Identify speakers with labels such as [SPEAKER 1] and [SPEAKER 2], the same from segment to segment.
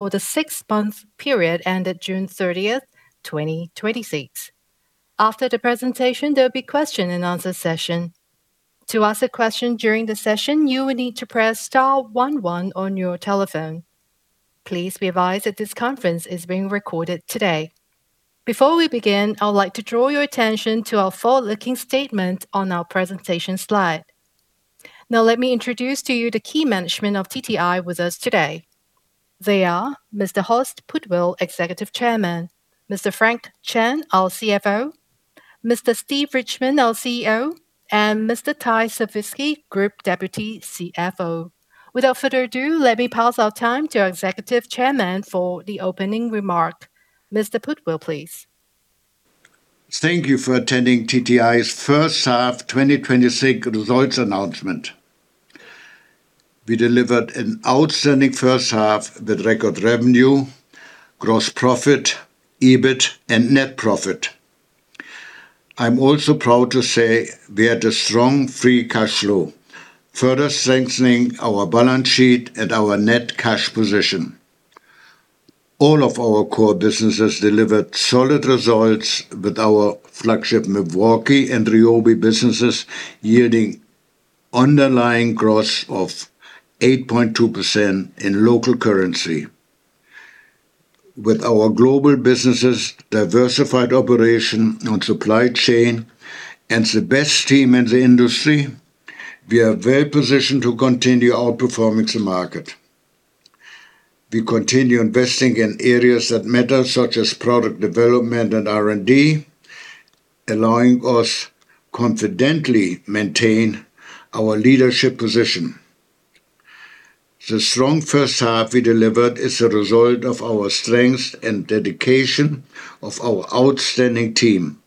[SPEAKER 1] For the six-month period ended June 30, 2026. After the presentation, there will be a question-and-answer session. To ask a question during the session, you will need to press star one one on your telephone. Please be advised that this conference is being recorded today. Before we begin, I would like to draw your attention to our forward-looking statement on our presentation slide. Now, let me introduce to you the key management of TTI with us today. They are Mr. Horst Pudwill, Executive Chairman, Mr. Frank Chan, our CFO, Mr. Steve Richman, our CEO, and Mr. Ty Stravinski, Group Deputy CFO. Without further ado, let me pass our time to our Executive Chairman for the opening remark. Mr. Pudwill, please.
[SPEAKER 2] Thank you for attending TTI's first half 2026 results announcement. We delivered an outstanding first half with record revenue, gross profit, EBIT, and net profit. I am also proud to say we had a strong free cash flow, further strengthening our balance sheet and our net cash position. All of our core businesses delivered solid results with our flagship Milwaukee and Ryobi businesses yielding underlying growth of 8.2% in local currency. With our global businesses, diversified operation and supply chain, and the best team in the industry, we are well positioned to continue outperforming the market. We continue investing in areas that matter, such as product development and R&D, allowing us confidently maintain our leadership position. The strong first half we delivered is a result of our strength and dedication of our outstanding team.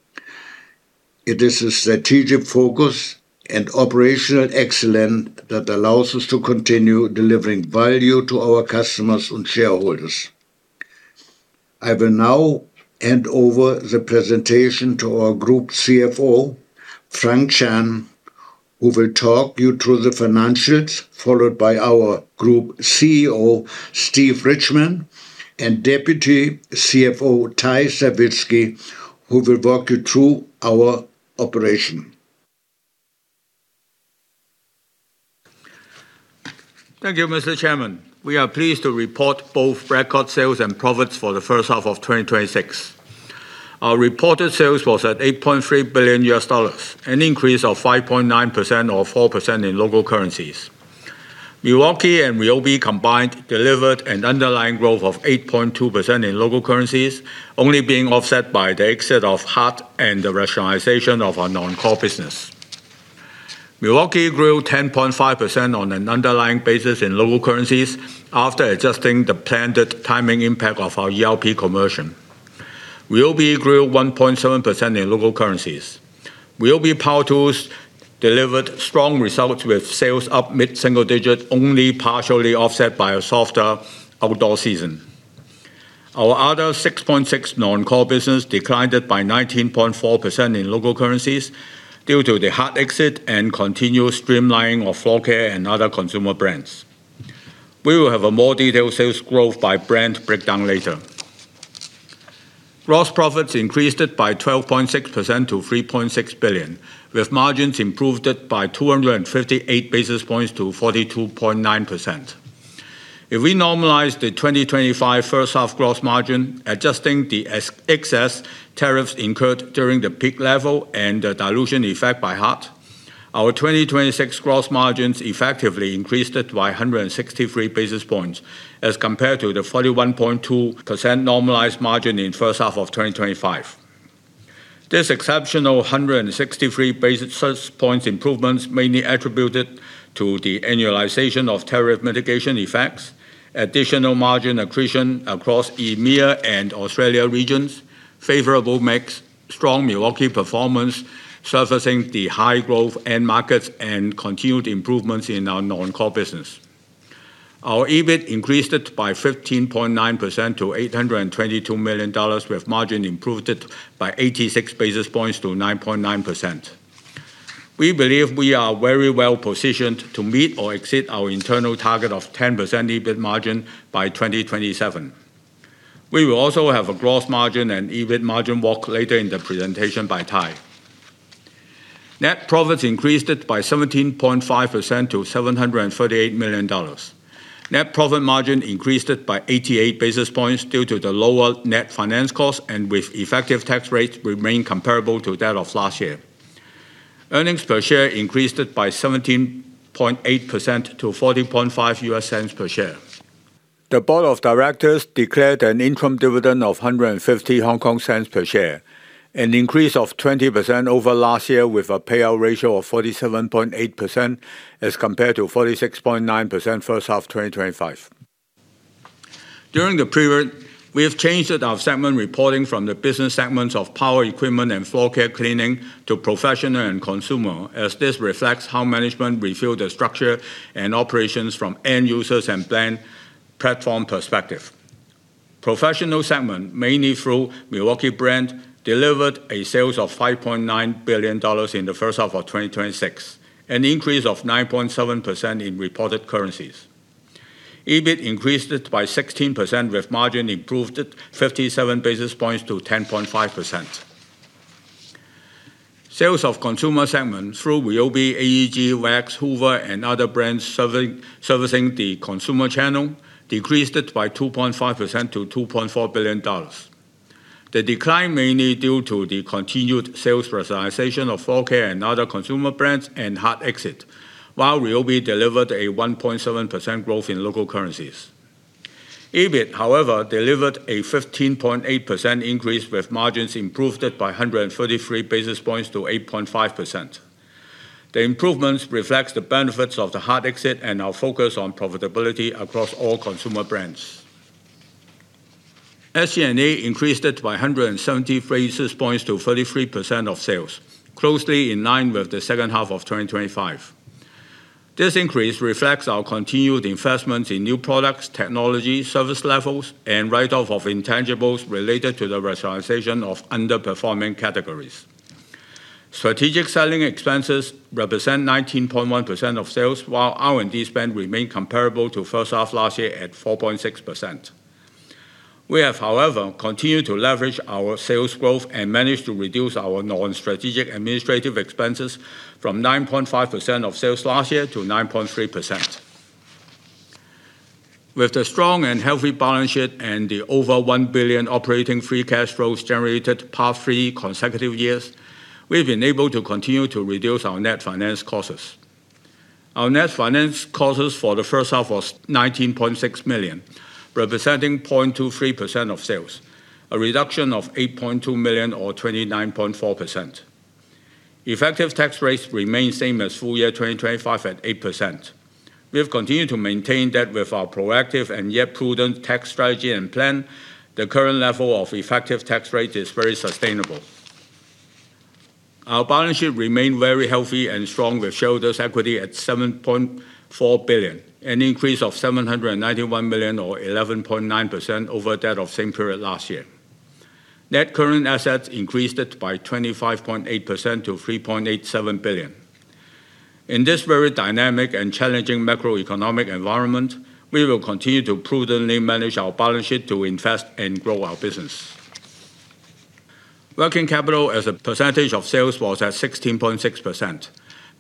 [SPEAKER 2] It is the strategic focus and operational excellence that allows us to continue delivering value to our customers and shareholders. I will now hand over the presentation to our Group CFO, Frank Chan, who will talk you through the financials, followed by our Group CEO, Steve Richmond, and Deputy CFO, Ty Stravinski, who will walk you through our operation.
[SPEAKER 3] Thank you, Mr. Chairman. We are pleased to report both record sales and profits for the first half of 2026. Our reported sales was at $8.3 billion, an increase of 5.9% or 4% in local currencies. Milwaukee and Ryobi combined delivered an underlying growth of 8.2% in local currencies, only being offset by the exit of HART and the rationalization of our non-core business. Milwaukee grew 10.5% on an underlying basis in local currencies after adjusting the planned timing impact of our ERP conversion. Ryobi grew 1.7% in local currencies. Ryobi power tools delivered strong results with sales up mid-single-digit, only partially offset by a softer outdoor season. Our other 6.6% non-core business declined by 19.4% in local currencies due to the HART exit and continued streamlining of floor care and other consumer brands. We will have a more detailed sales growth by brand breakdown later. Gross profits increased by 12.6% to $3.6 billion, with margins improved by 258 basis points to 42.9%. If we normalize the 2025 first half gross margin, adjusting the excess tariffs incurred during the peak level and the dilution effect by HART, our 2026 gross margins effectively increased by 163 basis points as compared to the 41.2% normalized margin in first half of 2025. This exceptional 163 basis points improvements mainly attributed to the annualization of tariff mitigation effects, additional margin accretion across EMEA and Australia regions, favorable mix, strong Milwaukee performance surfacing the high growth end markets, and continued improvements in our non-core business. Our EBIT increased by 15.9% to $822 million, with margin improved by 86 basis points to 9.9%. We believe we are very well positioned to meet or exceed our internal target of 10% EBIT margin by 2027. We will also have a growth margin and EBIT margin walk later in the presentation by Ty. Net profits increased by 17.5% to $738 million. Net profit margin increased by 88 basis points due to the lower net finance cost and with effective tax rates remaining comparable to that of last year. Earnings per share increased by 17.8% to $0.405 per share. The Board of Directors declared an interim dividend of 1.50 per share, an increase of 20% over last year with a payout ratio of 47.8% as compared to 46.9% first half 2025. During the period, we have changed our segment reporting from the business segments of power equipment and floor care cleaning to professional and consumer, as this reflects how management reviewed the structure and operations from end users and brand platform perspective. Professional segment, mainly through Milwaukee brand, delivered a sales of $5.9 billion in the first half of 2026, an increase of 9.7% in reported currencies. EBIT increased it by 16%, with margin improved 57 basis points to 10.5%. Sales of consumer segment through Ryobi, AEG, Rex, Hoover, and other brands servicing the consumer channel decreased it by 2.5% to $2.4 billion. The decline mainly due to the continued sales rationalization of Floor Care and other consumer brands and HART exit, while Ryobi delivered a 1.7% growth in local currencies. EBIT, however, delivered a 15.8% increase, with margins improved by 133 basis points to 8.5%. The improvements reflects the benefits of the HART exit and our focus on profitability across all consumer brands. SG&A increased it by 170 basis points to 33% of sales, closely in line with the second half of 2025. This increase reflects our continued investment in new products, technology, service levels, and write-off of intangibles related to the rationalization of underperforming categories. Strategic selling expenses represent 19.1% of sales, while R&D spend remained comparable to first half last year at 4.6%. We have, however, continued to leverage our sales growth and managed to reduce our non-strategic administrative expenses from 9.5% of sales last year to 9.3%. With the strong and healthy balance sheet and the over $1 billion operating free cash flows generated past three consecutive years, we've been able to continue to reduce our net finance costs. Our net finance costs for the first half was $19.6 million, representing 0.23% of sales, a reduction of $8.2 million or 29.4%. Effective tax rates remain same as full-year 2025 at 8%. We have continued to maintain that with our proactive and yet prudent tax strategy and plan, the current level of effective tax rate is very sustainable. Our balance sheet remained very healthy and strong with shareholders' equity at $7.4 billion, an increase of $791 million or 11.9% over that of same period last year. Net current assets increased by 25.8% to $3.87 billion. In this very dynamic and challenging macroeconomic environment, we will continue to prudently manage our balance sheet to invest and grow our business. Working capital as a percentage of sales was at 16.6%,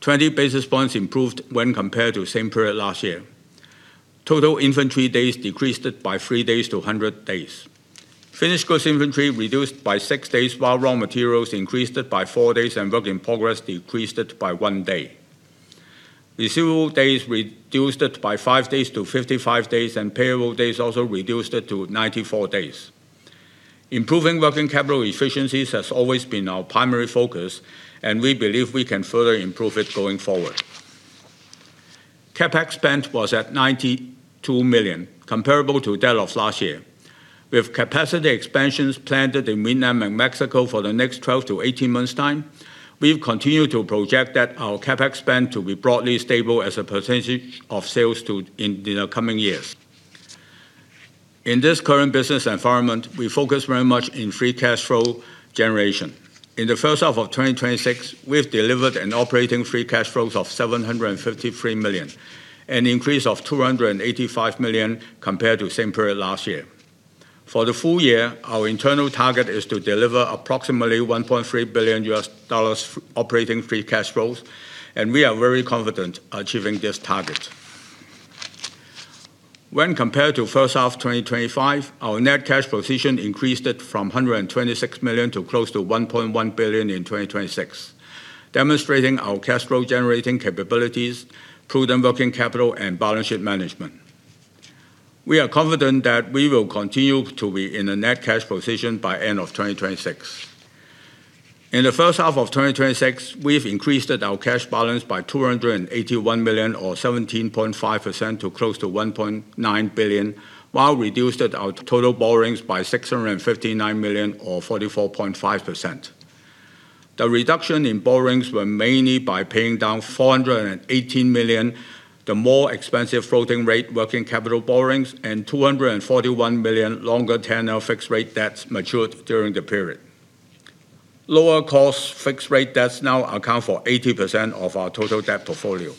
[SPEAKER 3] 20 basis points improved when compared to same period last year. Total inventory days decreased by three days to 100 days. Finished goods inventory reduced by six days, while raw materials increased by four days, and work in progress decreased by one day. Receivable days reduced by five days to 55 days, payable days also reduced to 94 days. Improving working capital efficiencies has always been our primary focus, and we believe we can further improve it going forward. CapEx spend was at $92 million, comparable to that of last year. With capacity expansions planned in Vietnam and Mexico for the next 12-18 months' time, we've continued to project that our CapEx spend to be broadly stable as a percentage of sales in the coming years. In this current business environment, we focus very much in free cash flow generation. In the first half of 2026, we've delivered an operating free cash flows of $753 million, an increase of $285 million compared to same period last year. For the full-year, our internal target is to deliver approximately $1.3 billion operating free cash flows, and we are very confident achieving this target. When compared to first half 2025, our net cash position increased from $126 million to close to $1.1 billion in 2026, demonstrating our cash flow generating capabilities, prudent working capital, and balance sheet management. We are confident that we will continue to be in a net cash position by end of 2026. In the first half of 2026, we've increased our cash balance by $281 million or 17.5% to close to $1.9 billion, while reduced our total borrowings by $659 million or 44.5%. The reduction in borrowings was mainly by paying down $418 million, the more expensive floating rate working capital borrowings, and $241 million longer 10-year fixed rate debts matured during the period. Lower cost fixed rate debts now account for 80% of our total debt portfolio.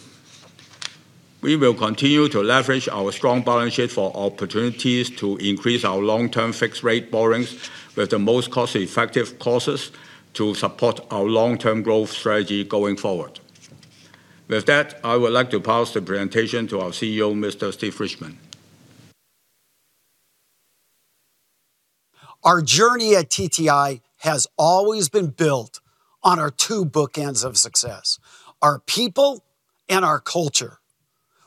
[SPEAKER 3] We will continue to leverage our strong balance sheet for opportunities to increase our long-term fixed rate borrowings with the most cost-effective costs to support our long-term growth strategy going forward. With that, I would like to pass the presentation to our CEO, Mr. Steve Richman.
[SPEAKER 4] Our journey at TTI has always been built on our two bookends of success, our people and our culture.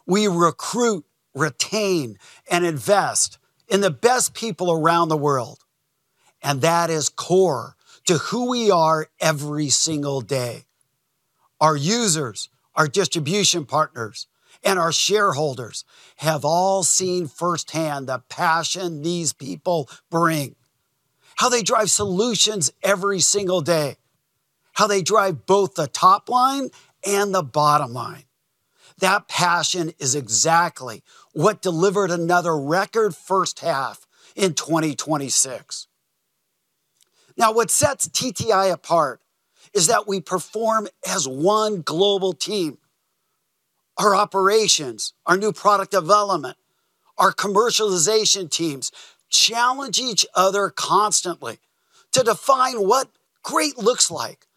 [SPEAKER 4] We recruit, retain, and invest in the best people around the world, and that is core to who we are every single day. Our users, our distribution partners, and our shareholders have all seen firsthand the passion these people bring, how they drive solutions every single day, how they drive both the top-line and the bottom-line. That passion is exactly what delivered another record first half in 2026. What sets TTI apart is that we perform as one global team. Our operations, our new product development, our commercialization teams challenge each other constantly to define what great looks like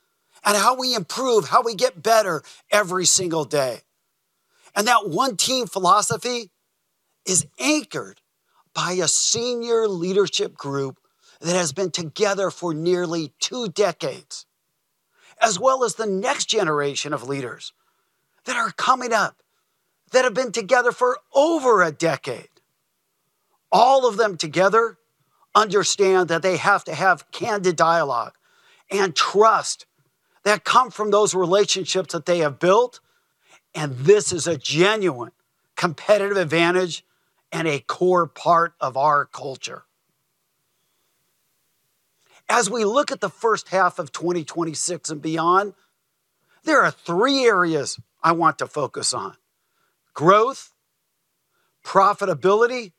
[SPEAKER 4] and how we improve, how we get better every single day. That one team philosophy is anchored by a senior leadership group that has been together for nearly two decades, as well as the next generation of leaders that are coming up, that have been together for over a decade. All of them together understand that they have to have candid dialogue and trust that come from those relationships that they have built. This is a genuine competitive advantage and a core part of our culture. As we look at the first half of 2026 and beyond, there are three areas I want to focus on: growth, profitability,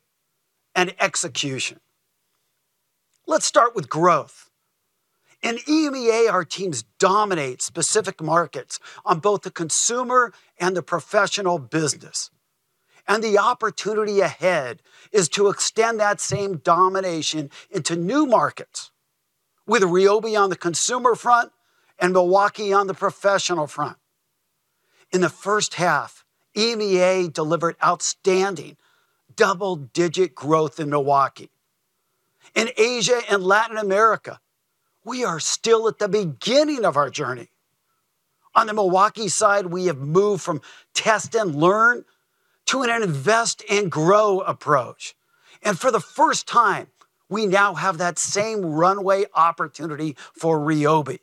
[SPEAKER 4] and execution. Let's start with growth. In EMEA, our teams dominate specific markets on both the consumer and the professional business. The opportunity ahead is to extend that same domination into new markets with Ryobi on the consumer front and Milwaukee on the professional front. In the first half, EMEA delivered outstanding double-digit growth in Milwaukee. In Asia and Latin America, we are still at the beginning of our journey. On the Milwaukee side, we have moved from test and learn to an invest and grow approach. For the first time, we now have that same runway opportunity for Ryobi,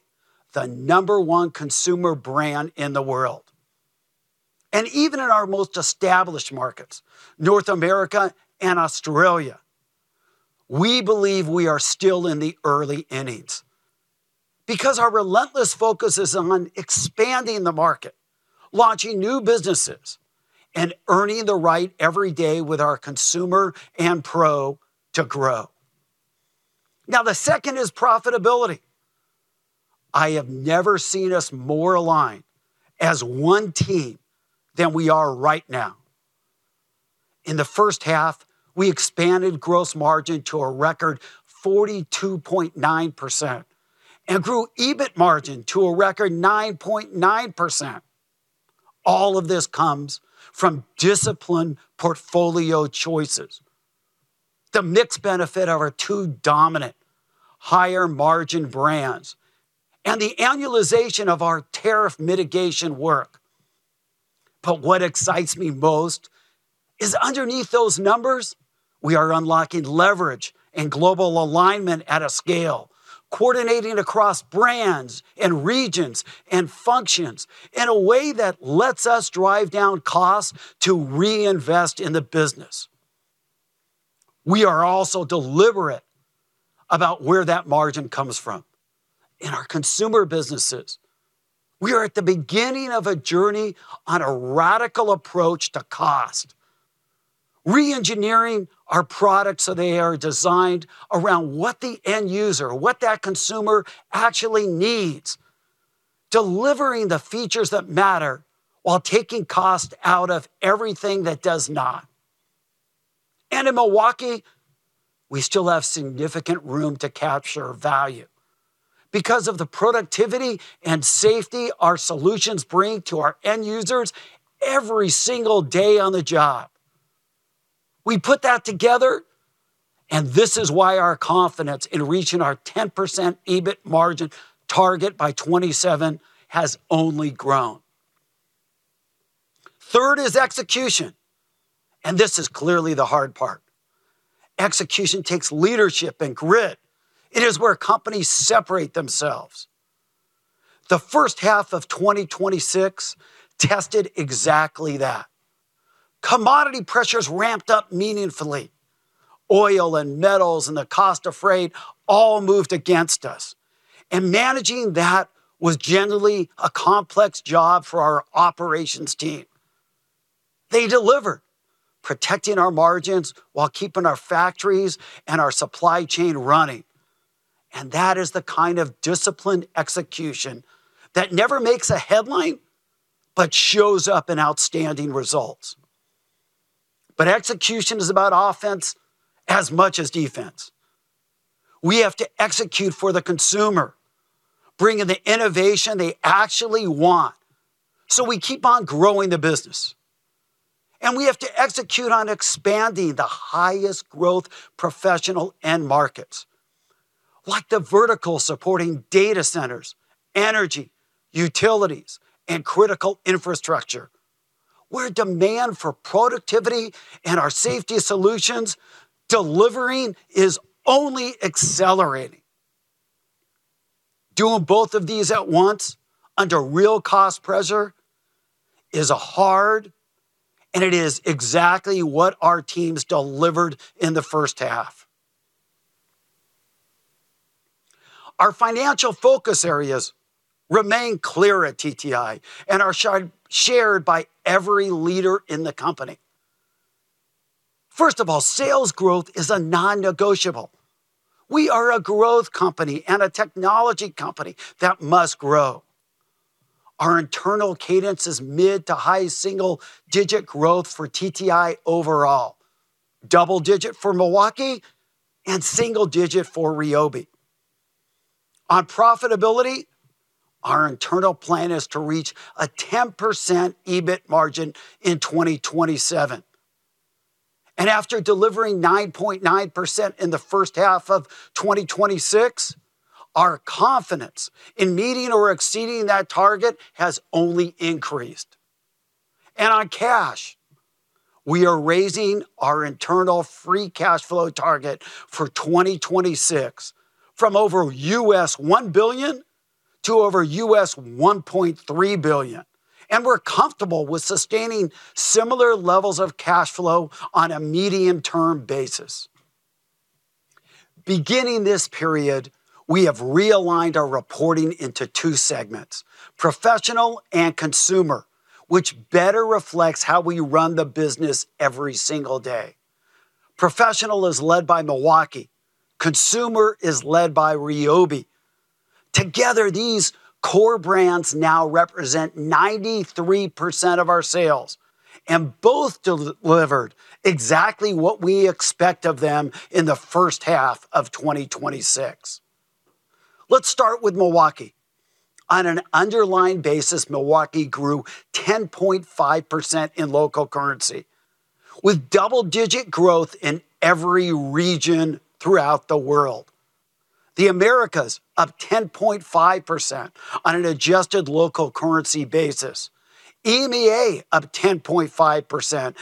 [SPEAKER 4] the number one consumer brand in the world. Even in our most established markets, North America and Australia, we believe we are still in the early innings because our relentless focus is on expanding the market, launching new businesses, and earning the right every day with our consumer and pro to grow. The second is profitability. I have never seen us more aligned as one team than we are right now. In the first half, we expanded gross margin to a record 42.9% and grew EBIT margin to a record 9.9%. All of this comes from disciplined portfolio choices. The mixed benefit of our two dominant higher-margin brands and the annualization of our tariff mitigation work. What excites me most is underneath those numbers, we are unlocking leverage and global alignment at a scale, coordinating across brands and regions and functions in a way that lets us drive down costs to reinvest in the business. We are also deliberate about where that margin comes from. In our consumer businesses, we are at the beginning of a journey on a radical approach to cost. Re-engineering our products so they are designed around what the end user, what that consumer actually needs. Delivering the features that matter while taking cost out of everything that does not. In Milwaukee, we still have significant room to capture value because of the productivity and safety our solutions bring to our end-users every single day on the job. We put that together. This is why our confidence in reaching our 10% EBIT margin target by 2027 has only grown. Third is execution. This is clearly the hard part. Execution takes leadership and grit. It is where companies separate themselves. The first half of 2026 tested exactly that. Commodity pressures ramped-up meaningfully. Oil and metals and the cost of freight all moved against us. Managing that was generally a complex job for our operations team. They delivered, protecting our margins while keeping our factories and our supply chain running. That is the kind of disciplined execution that never makes a headline, but shows up in outstanding results. Execution is about offense as much as defense. We have to execute for the consumer, bringing the innovation they actually want. We keep on growing the business. We have to execute on expanding the highest growth professional end markets, like the verticals supporting data centers, energy, utilities, and critical infrastructure, where demand for productivity and our safety solutions delivering is only accelerating. Doing both of these at once under real cost pressure is hard. It is exactly what our teams delivered in the first half. Our financial focus areas remain clear at TTI and are shared by every leader in the company. First of all, sales growth is a non-negotiable. We are a growth company and a technology company that must grow. Our internal cadence is mid- to high-single-digit growth for TTI overall, double-digit for Milwaukee, and single-digit for Ryobi. On profitability, our internal plan is to reach a 10% EBIT margin in 2027. After delivering 9.9% in the first half of 2026, our confidence in meeting or exceeding that target has only increased. On cash, we are raising our internal free cash flow target for 2026 from over $1 billion to over $1.3 billion. We're comfortable with sustaining similar levels of cash flow on a medium-term basis. Beginning this period, we have realigned our reporting into two segments, professional and consumer, which better reflects how we run the business every single day. Professional is led by Milwaukee. Consumer is led by Ryobi. Together, these core brands now represent 93% of our sales. Both delivered exactly what we expect of them in the first half of 2026. Let's start with Milwaukee. On an underlying basis, Milwaukee grew 10.5% in local currency with double-digit growth in every region throughout the world. The Americas, up 10.5% on an adjusted local currency basis. EMEA, up 10.5%.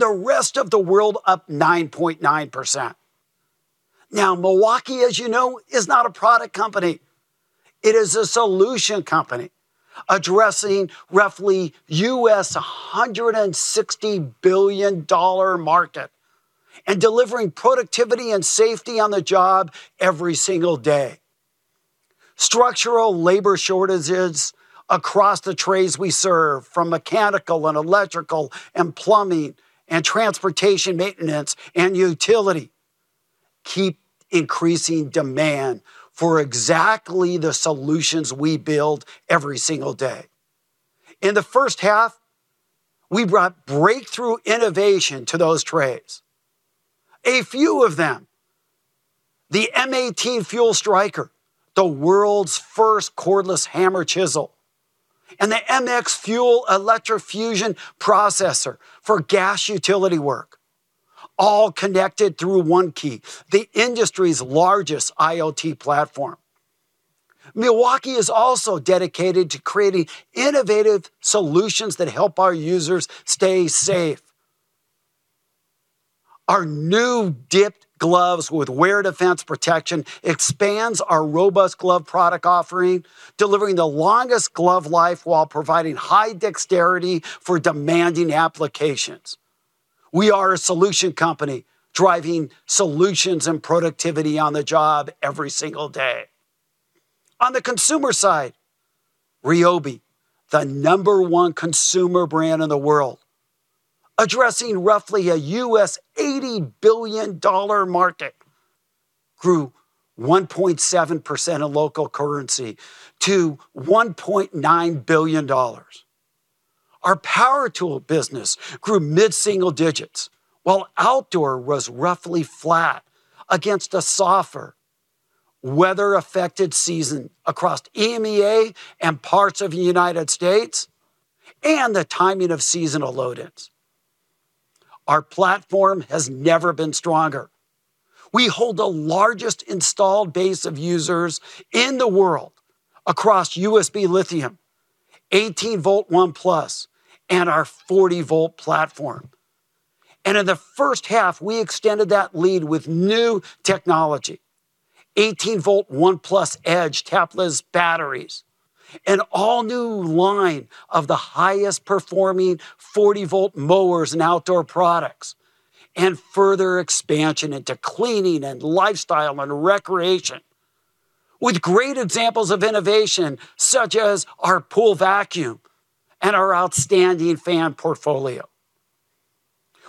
[SPEAKER 4] The rest of the world, up 9.9%. Milwaukee, as you know, is not a product company. It is a solution company addressing roughly a $160 billion market and delivering productivity and safety on the job every single day. Structural labor shortages across the trades we serve, from mechanical and electrical and plumbing and transportation maintenance and utility, keep increasing demand for exactly the solutions we build every single day. In the first half, we brought breakthrough innovation to those trades. A few of them. The M18 FUEL STRIKER, the world's first cordless hammer chisel, and the MX FUEL Electrofusion Processor for gas utility work, all connected through ONE-KEY, the industry's largest IoT platform. Milwaukee is also dedicated to creating innovative solutions that help our users stay safe. Our new dipped gloves with WEAR-DEFENSE protection expands our robust glove product offering, delivering the longest glove life while providing high dexterity for demanding applications. We are a solution company driving solutions and productivity on the job every single day. On the consumer side, Ryobi, the number one consumer brand in the world, addressing roughly a $80 billion market, grew 1.7% in local currency to $1.9 billion. Our power tool business grew mid-single-digits while outdoor was roughly flat against a softer, weather-affected season across EMEA and parts of the United States and the timing of seasonal load-ins. Our platform has never been stronger. We hold the largest installed base of users in the world across USB Lithium, 18V ONE+, and our 40V platform. In the first half, we extended that lead with new technology. 18V ONE+ Edge tabless batteries, an all-new line of the highest performing 40V mowers and outdoor products, and further expansion into cleaning and lifestyle and recreation with great examples of innovation, such as our pool vacuum and our outstanding fan portfolio.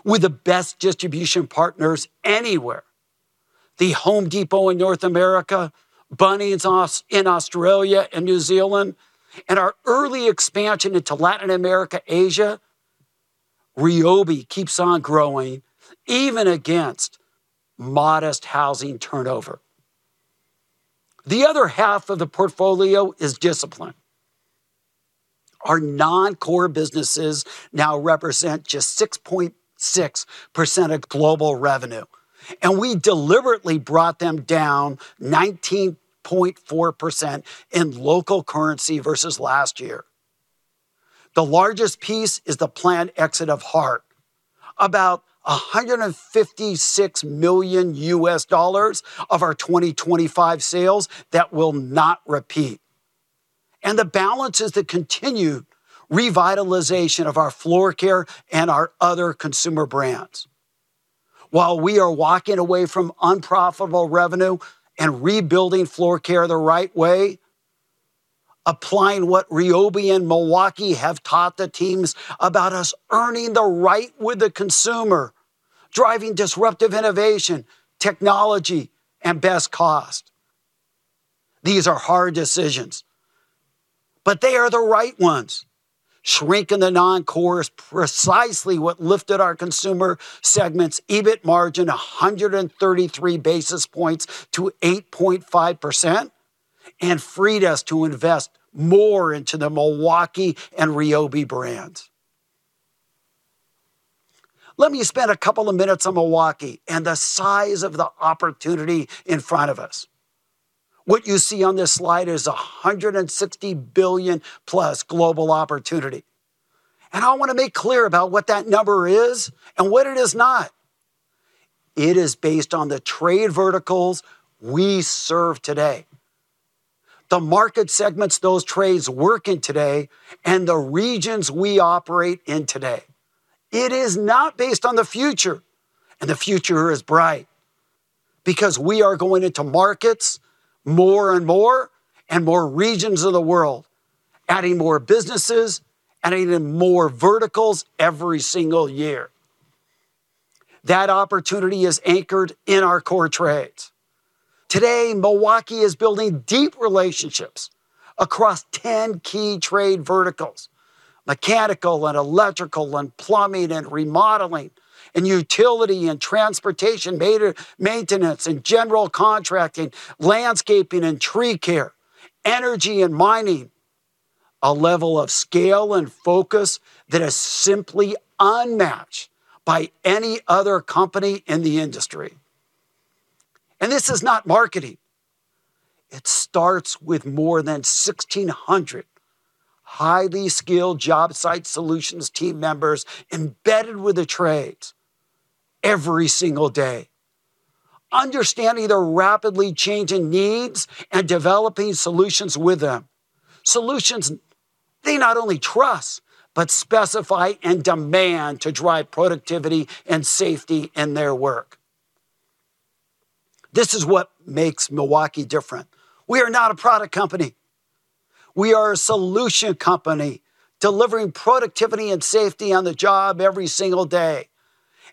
[SPEAKER 4] With the best distribution partners anywhere, The Home Depot in North America, Bunnings in Australia and New Zealand, and our early expansion into Latin America, Asia, Ryobi keeps on growing even against modest housing turnover. The other half of the portfolio is discipline. Our non-core businesses now represent just 6.6% of global revenue, we deliberately brought them down 19.4% in local currency versus last year. The largest piece is the planned exit of HART. About $156 million of our 2025 sales that will not repeat. The balance is the continued revitalization of our floor care and our other consumer brands. While we are walking away from unprofitable revenue and rebuilding floor care the right way, applying what Ryobi and Milwaukee have taught the teams about us earning the right with the consumer, driving disruptive innovation, technology, and best cost. These are hard decisions, but they are the right ones. Shrinking the non-core is precisely what lifted our consumer segment's EBIT margin 133 basis points to 8.5% and freed us to invest more into the Milwaukee and Ryobi brands. Let me spend a couple of minutes on Milwaukee and the size of the opportunity in front of us. What you see on this slide is $160 billion+ global opportunity, I want to make clear about what that number is and what it is not. It is based on the trade verticals we serve today, the market segments those trades work in today, and the regions we operate in today. It is not based on the future, the future is bright because we are going into markets more and more, more regions of the world, adding more businesses and even more verticals every single year. That opportunity is anchored in our core trades. Today, Milwaukee is building deep relationships across 10 key trade verticals: mechanical and electrical and plumbing and remodeling and utility and transportation maintenance and general contracting, landscaping and tree care, energy and mining. A level of scale and focus that is simply unmatched by any other company in the industry. This is not marketing. It starts with more than 1,600 highly skilled job site solutions team members embedded with the trades every single day, understanding their rapidly changing needs and developing solutions with them. Solutions they not only trust, but specify and demand to drive productivity and safety in their work. This is what makes Milwaukee different. We are not a product company. We are a solution company delivering productivity and safety on the job every single day,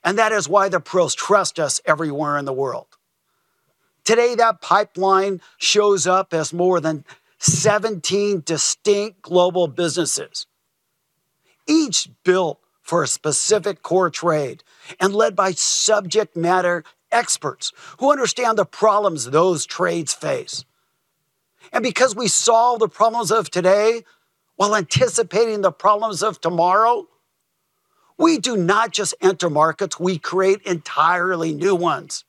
[SPEAKER 4] and that is why the pros trust us everywhere in the world. Today, that pipeline shows up as more than 17 distinct global businesses, each built for a specific core trade and led by subject matter experts who understand the problems those trades face. Because we solve the problems of today while anticipating the problems of tomorrow, we do not just enter markets, we create entirely new ones,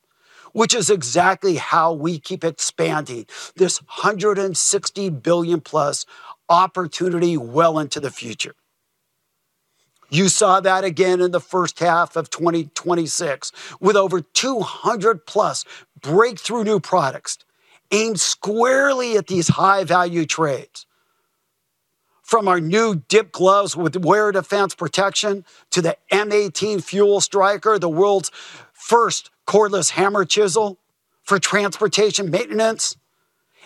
[SPEAKER 4] which is exactly how we keep expanding this $160 billion+ opportunity well into the future. You saw that again in the first half of 2026 with over 200-plus breakthrough new products aimed squarely at these high-value trades. From our new dip gloves with WEAR-DEFENSE protection to the M18 FUEL STRIKER, the world's first cordless hammer chisel for transportation maintenance,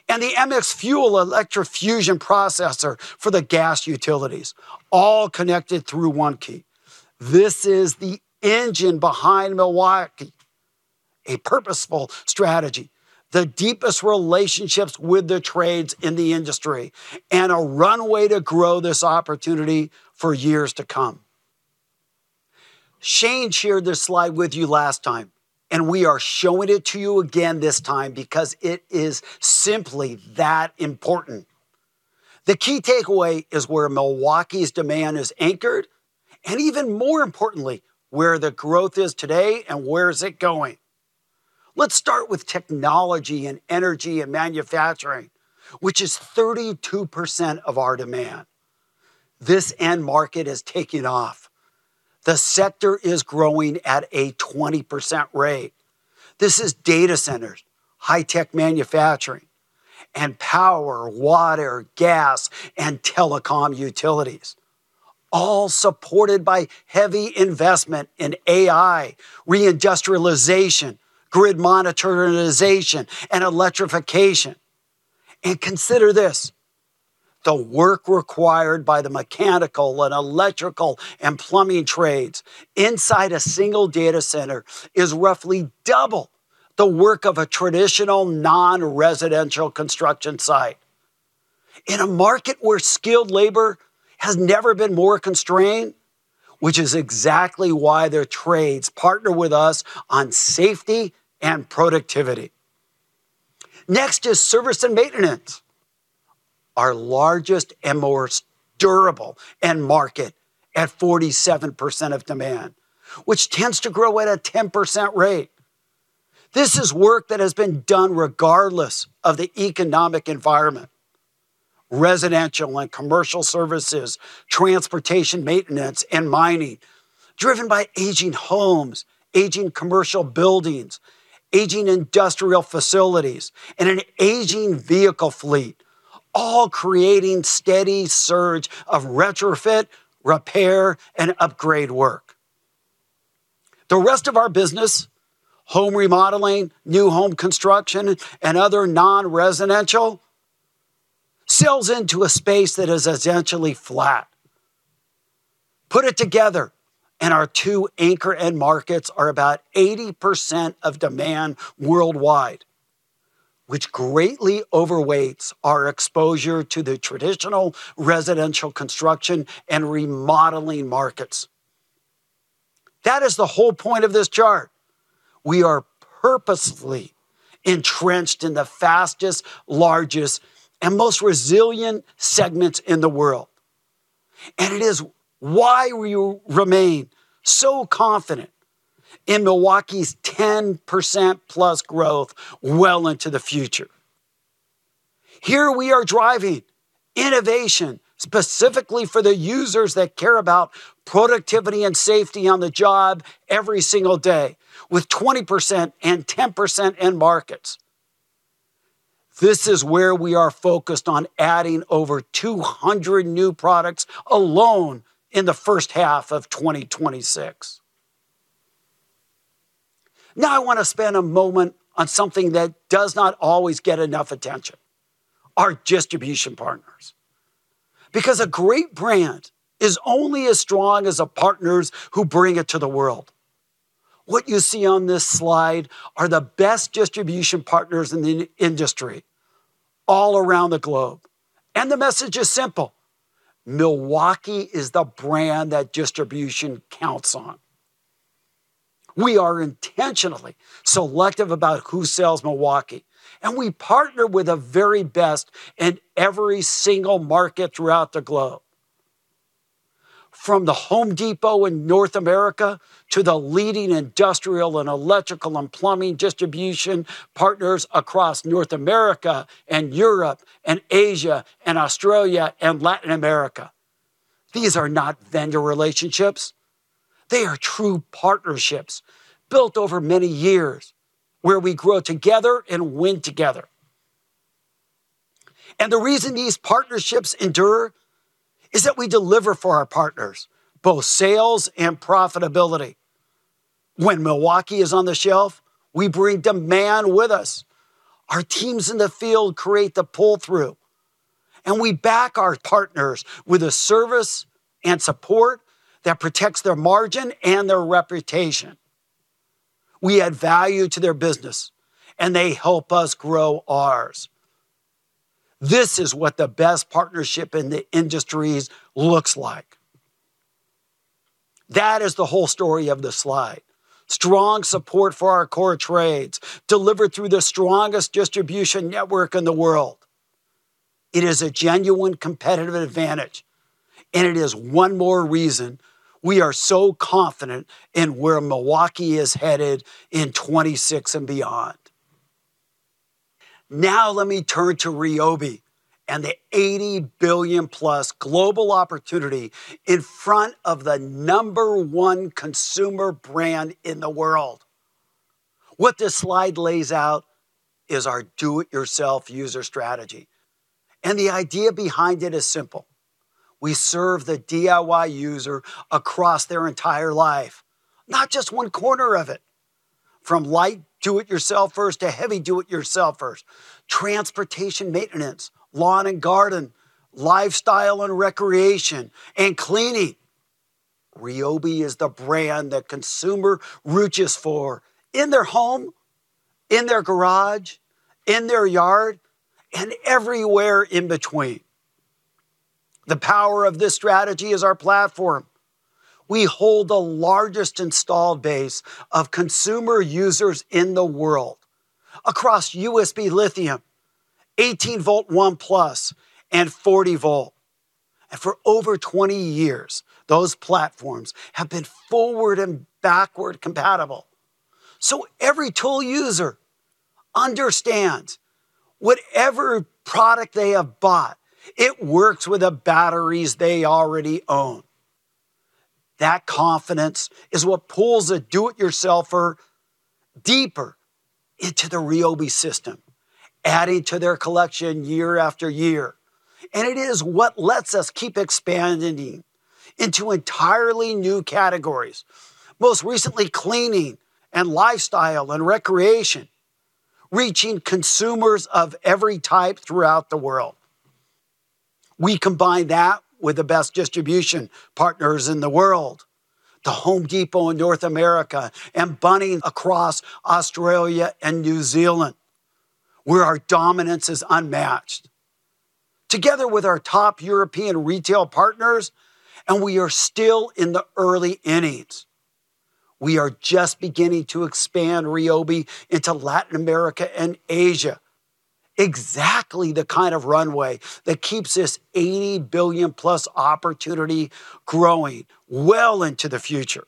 [SPEAKER 4] and the MX FUEL Electrofusion Processor for the gas utilities, all connected through ONE-KEY. This is the engine behind Milwaukee, a purposeful strategy, the deepest relationships with the trades in the industry, and a runway to grow this opportunity for years to come. Shane shared this slide with you last time. We are showing it to you again this time because it is simply that important. The key takeaway is where Milwaukee's demand is anchored, and even more importantly, where the growth is today and where is it going. Let's start with technology and energy and manufacturing, which is 32% of our demand. This end-market has taken off. The sector is growing at a 20% rate. This is data centers, high-tech manufacturing, and power, water, gas, and telecom utilities, all supported by heavy investment in AI, reindustrialization, grid modernization, and electrification. Consider this: the work required by the mechanical and electrical and plumbing trades inside a single data center is roughly double the work of a traditional non-residential construction site. In a market where skilled labor has never been more constrained, which is exactly why their trades partner with us on safety and productivity. Next is service and maintenance, our largest and most durable end-market at 47% of demand, which tends to grow at a 10% rate. This is work that has been done regardless of the economic environment. Residential and commercial services, transportation maintenance, and mining, driven by aging homes, aging commercial buildings, aging industrial facilities, and an aging vehicle fleet, all creating steady surge of retrofit, repair, and upgrade work. The rest of our business, home remodeling, new home construction, and other non-residential, sells into a space that is essentially flat. Put it together, and our two anchor end markets are about 80% of demand worldwide, which greatly overweights our exposure to the traditional residential construction and remodeling markets. That is the whole point of this chart. We are purposefully entrenched in the fastest, largest, and most resilient segments in the world. It is why we remain so confident in Milwaukee's 10%+ growth well into the future. Here we are driving innovation specifically for the users that care about productivity and safety on the job every single day, with 20% and 10% end-markets. This is where we are focused on adding over 200 new products alone in the first half of 2026. I want to spend a moment on something that does not always get enough attention, our distribution partners. Because a great brand is only as strong as the partners who bring it to the world. What you see on this slide are the best distribution partners in the industry all around the globe, and the message is simple: Milwaukee is the brand that distribution counts on. We are intentionally selective about who sells Milwaukee, and we partner with the very best in every single market throughout the globe. From The Home Depot in North America to the leading industrial and electrical and plumbing distribution partners across North America and Europe and Asia and Australia and Latin America. These are not vendor relationships. They are true partnerships built over many years, where we grow together and win together. The reason these partnerships endure is that we deliver for our partners, both sales and profitability. When Milwaukee is on the shelf, we bring demand with us. Our teams in the field create the pull-through, and we back our partners with a service and support that protects their margin and their reputation. We add value to their business, and they help us grow ours. This is what the best partnership in the industries looks like. That is the whole story of the slide. Strong support for our core trades, delivered through the strongest distribution network in the world. It is a genuine competitive advantage, and it is one more reason we are so confident in where Milwaukee is headed in 2026 and beyond. Let me turn to Ryobi and the $80 billion+ global opportunity in front of the number one consumer brand in the world. What this slide lays out is our do it yourself user strategy, and the idea behind it is simple. We serve the DIY user across their entire life, not just one corner of it. From light-do-it-yourselfer to heavy-do-it-yourselfer, transportation maintenance, lawn and garden, lifestyle and recreation, and cleaning. Ryobi is the brand the consumer reaches for in their home, in their garage, in their yard, and everywhere in between. The power of this strategy is our platform. We hold the largest install base of consumer users in the world across USB Lithium, 18V ONE+, and 40V. For over 20 years, those platforms have been forward and backward compatible, so every tool user understands whatever product they have bought, it works with the batteries they already own. That confidence is what pulls a do it yourselfer deeper into the Ryobi system, adding to their collection year after year. It is what lets us keep expanding into entirely new categories, most recently cleaning and lifestyle and recreation, reaching consumers of every type throughout the world. We combine that with the best distribution partners in the world, The Home Depot in North America and Bunnings across Australia and New Zealand, where our dominance is unmatched. Together with our top European retail partners, we are still in the early innings. We are just beginning to expand Ryobi into Latin America and Asia. Exactly the kind of runway that keeps this $80 billion+ opportunity growing well into the future.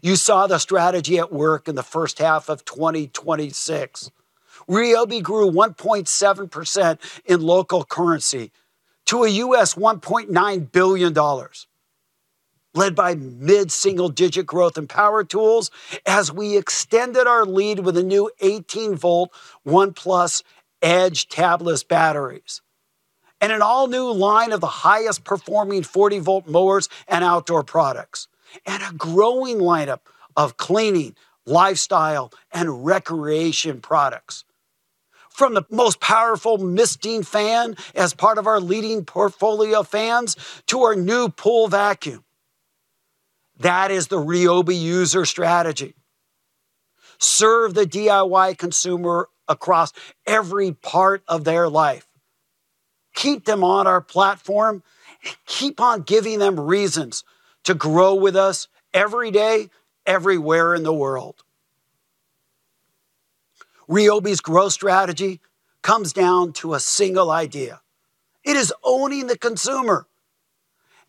[SPEAKER 4] You saw the strategy at work in the first half of 2026. Ryobi grew 1.7% in local currency to a $1.9 billion, led by mid-single-digit growth in power tools as we extended our lead with the new 18V ONE+ Edge tabless batteries, and an all-new line of the highest performing 40V mowers and outdoor products, and a growing lineup of cleaning, lifestyle, and recreation products. From the most powerful misting fan as part of our leading portfolio of fans, to our new pool vacuum. That is the Ryobi user strategy. Serve the DIY consumer across every part of their life. Keep them on our platform, and keep on giving them reasons to grow with us every day, everywhere in the world. Ryobi's growth strategy comes down to a single idea. It is owning the consumer,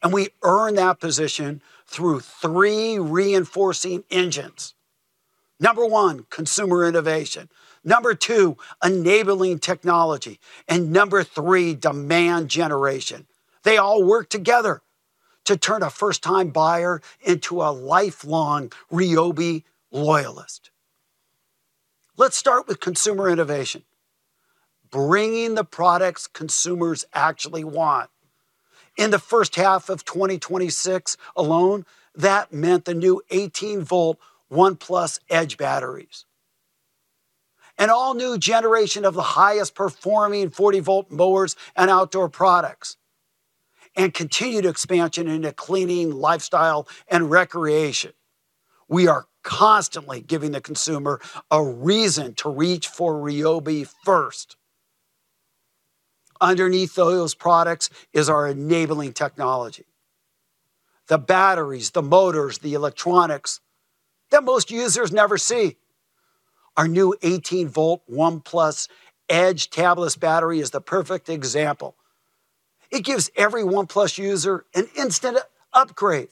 [SPEAKER 4] and we earn that position through three reinforcing engines. Number one, consumer innovation. Number two, enabling technology. Number three, demand generation. They all work together to turn a first-time buyer into a lifelong Ryobi loyalist. Let's start with consumer innovation, bringing the products consumers actually want. In the first half of 2026 alone, that meant the new 18V ONE+ Edge batteries, an all-new generation of the highest performing 40V mowers and outdoor products, and continued expansion into cleaning, lifestyle, and recreation. We are constantly giving the consumer a reason to reach for Ryobi first. Underneath those products is our enabling technology, the batteries, the motors, the electronics that most users never see. Our new 18V ONE+ Edge tabless battery is the perfect example. It gives every ONE+ user an instant upgrade,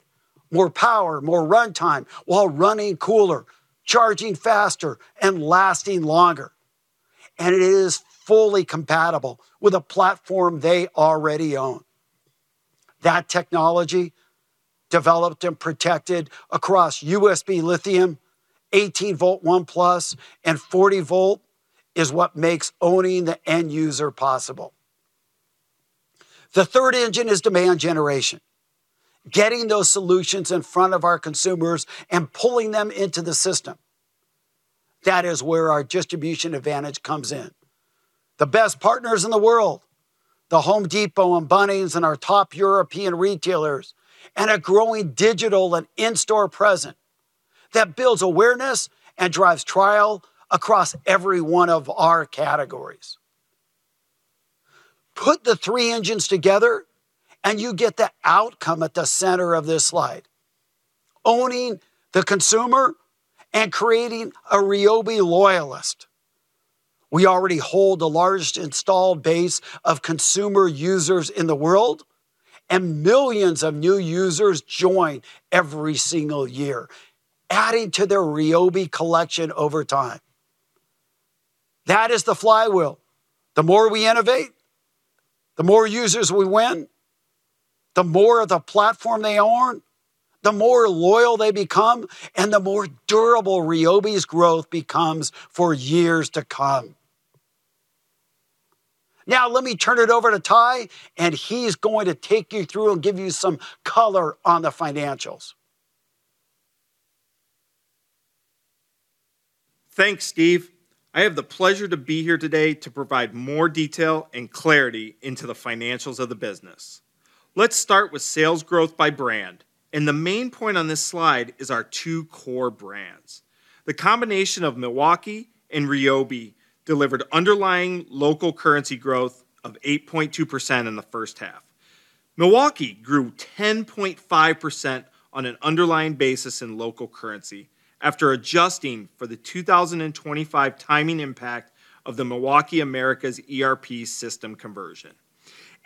[SPEAKER 4] more power, more runtime, while running cooler, charging faster, and lasting longer. And it is fully compatible with a platform they already own. That technology, developed and protected across USB Lithium, 18V ONE+, and 40V, is what makes owning the end-user possible. The third engine is demand generation, getting those solutions in front of our consumers and pulling them into the system. That is where our distribution advantage comes in. The best partners in the world, The Home Depot and Bunnings, and our top European retailers, and a growing digital and in-store presence that builds awareness and drives trial across every one of our categories. Put the three engines together and you get the outcome at the center of this slide: owning the consumer and creating a Ryobi loyalist. We already hold the largest installed base of consumer users in the world, and millions of new users join every single year, adding to their Ryobi collection over time. That is the flywheel. The more we innovate, the more users we win, the more of the platform they own, the more loyal they become, and the more durable Ryobi's growth becomes for years to come. Let me turn it over to Ty, and he's going to take you through and give you some color on the financials.
[SPEAKER 5] Thanks, Steve. I have the pleasure to be here today to provide more detail and clarity into the financials of the business. Let's start with sales growth by brand. The main point on this slide is our two core brands. The combination of Milwaukee and Ryobi delivered underlying local currency growth of 8.2% in the first half. Milwaukee grew 10.5% on an underlying basis in local currency after adjusting for the 2025 timing impact of the Milwaukee America's ERP system conversion.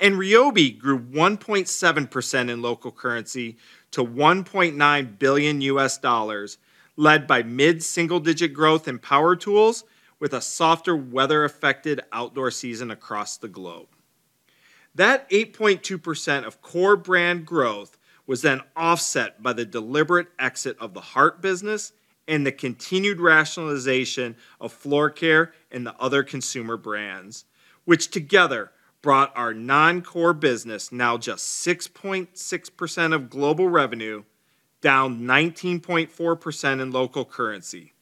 [SPEAKER 5] Ryobi grew 1.7% in local currency to $1.9 billion, led by mid-single-digit growth in power tools with a softer weather-affected outdoor season across the globe. That 8.2% of core brand growth was offset by the deliberate exit of the HART business and the continued rationalization of floor care and the other consumer brands, which together brought our non-core business, now just 6.6% of global revenue, down 19.4% in local currency.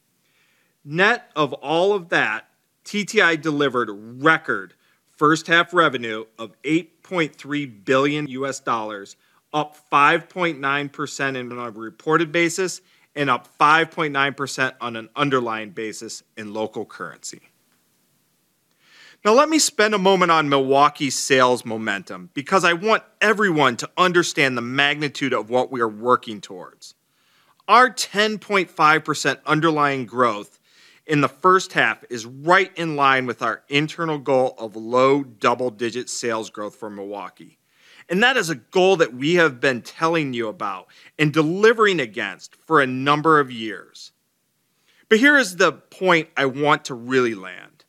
[SPEAKER 5] Net of all of that, TTI delivered record first-half revenue of $8.3 billion, up 5.9% on a reported basis and up 5.9% on an underlying basis in local currency. Let me spend a moment on Milwaukee sales momentum because I want everyone to understand the magnitude of what we are working towards. Our 10.5% underlying growth in the first half is right in line with our internal goal of low double-digit sales growth for Milwaukee, and that is a goal that we have been telling you about and delivering against for a number of years. Here is the point I want to really land.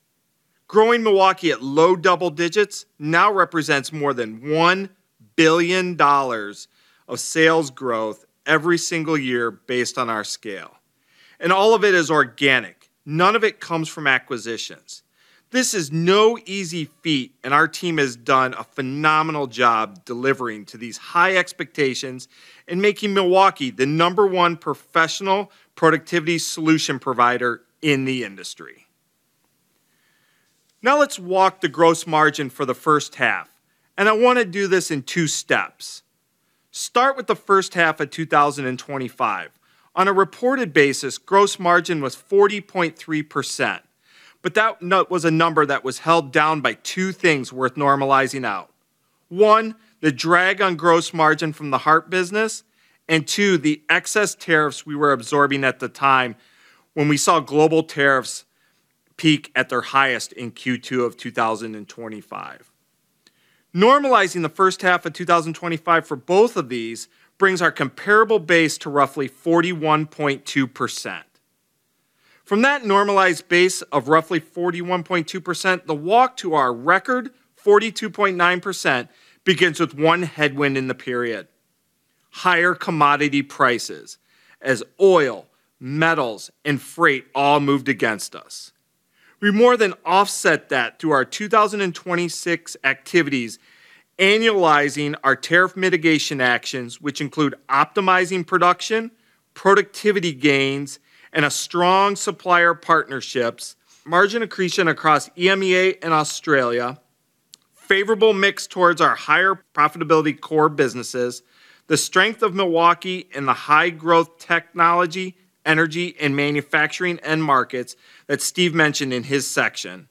[SPEAKER 5] Growing Milwaukee at low-double-digits now represents more than $1 billion of sales growth every single year based on our scale. All of it is organic. None of it comes from acquisitions. This is no easy feat, and our team has done a phenomenal job delivering to these high expectations and making Milwaukee the number one professional productivity solution provider in the industry. Let's walk the gross margin for the first half. I want to do this in two steps. Start with the first half of 2025. On a reported basis, gross margin was 40.3%. That was a number that was held down by two things worth normalizing out. One, the drag on gross margin from the HART business, and two, the excess tariffs we were absorbing at the time when we saw global tariffs peak at their highest in Q2 of 2025. Normalizing the first half of 2025 for both of these brings our comparable base to roughly 41.2%. From that normalized base of roughly 41.2%, the walk to our record 42.9% begins with one headwind in the period: higher commodity prices, as oil, metals, and freight all moved against us. We more than offset that through our 2026 activities, annualizing our tariff mitigation actions, which include optimizing production, productivity gains, and strong supplier partnerships, margin accretion across EMEA and Australia, favorable mix towards our higher profitability core businesses, the strength of Milwaukee in the high-growth technology, energy, and manufacturing end-markets that Steve mentioned in his section,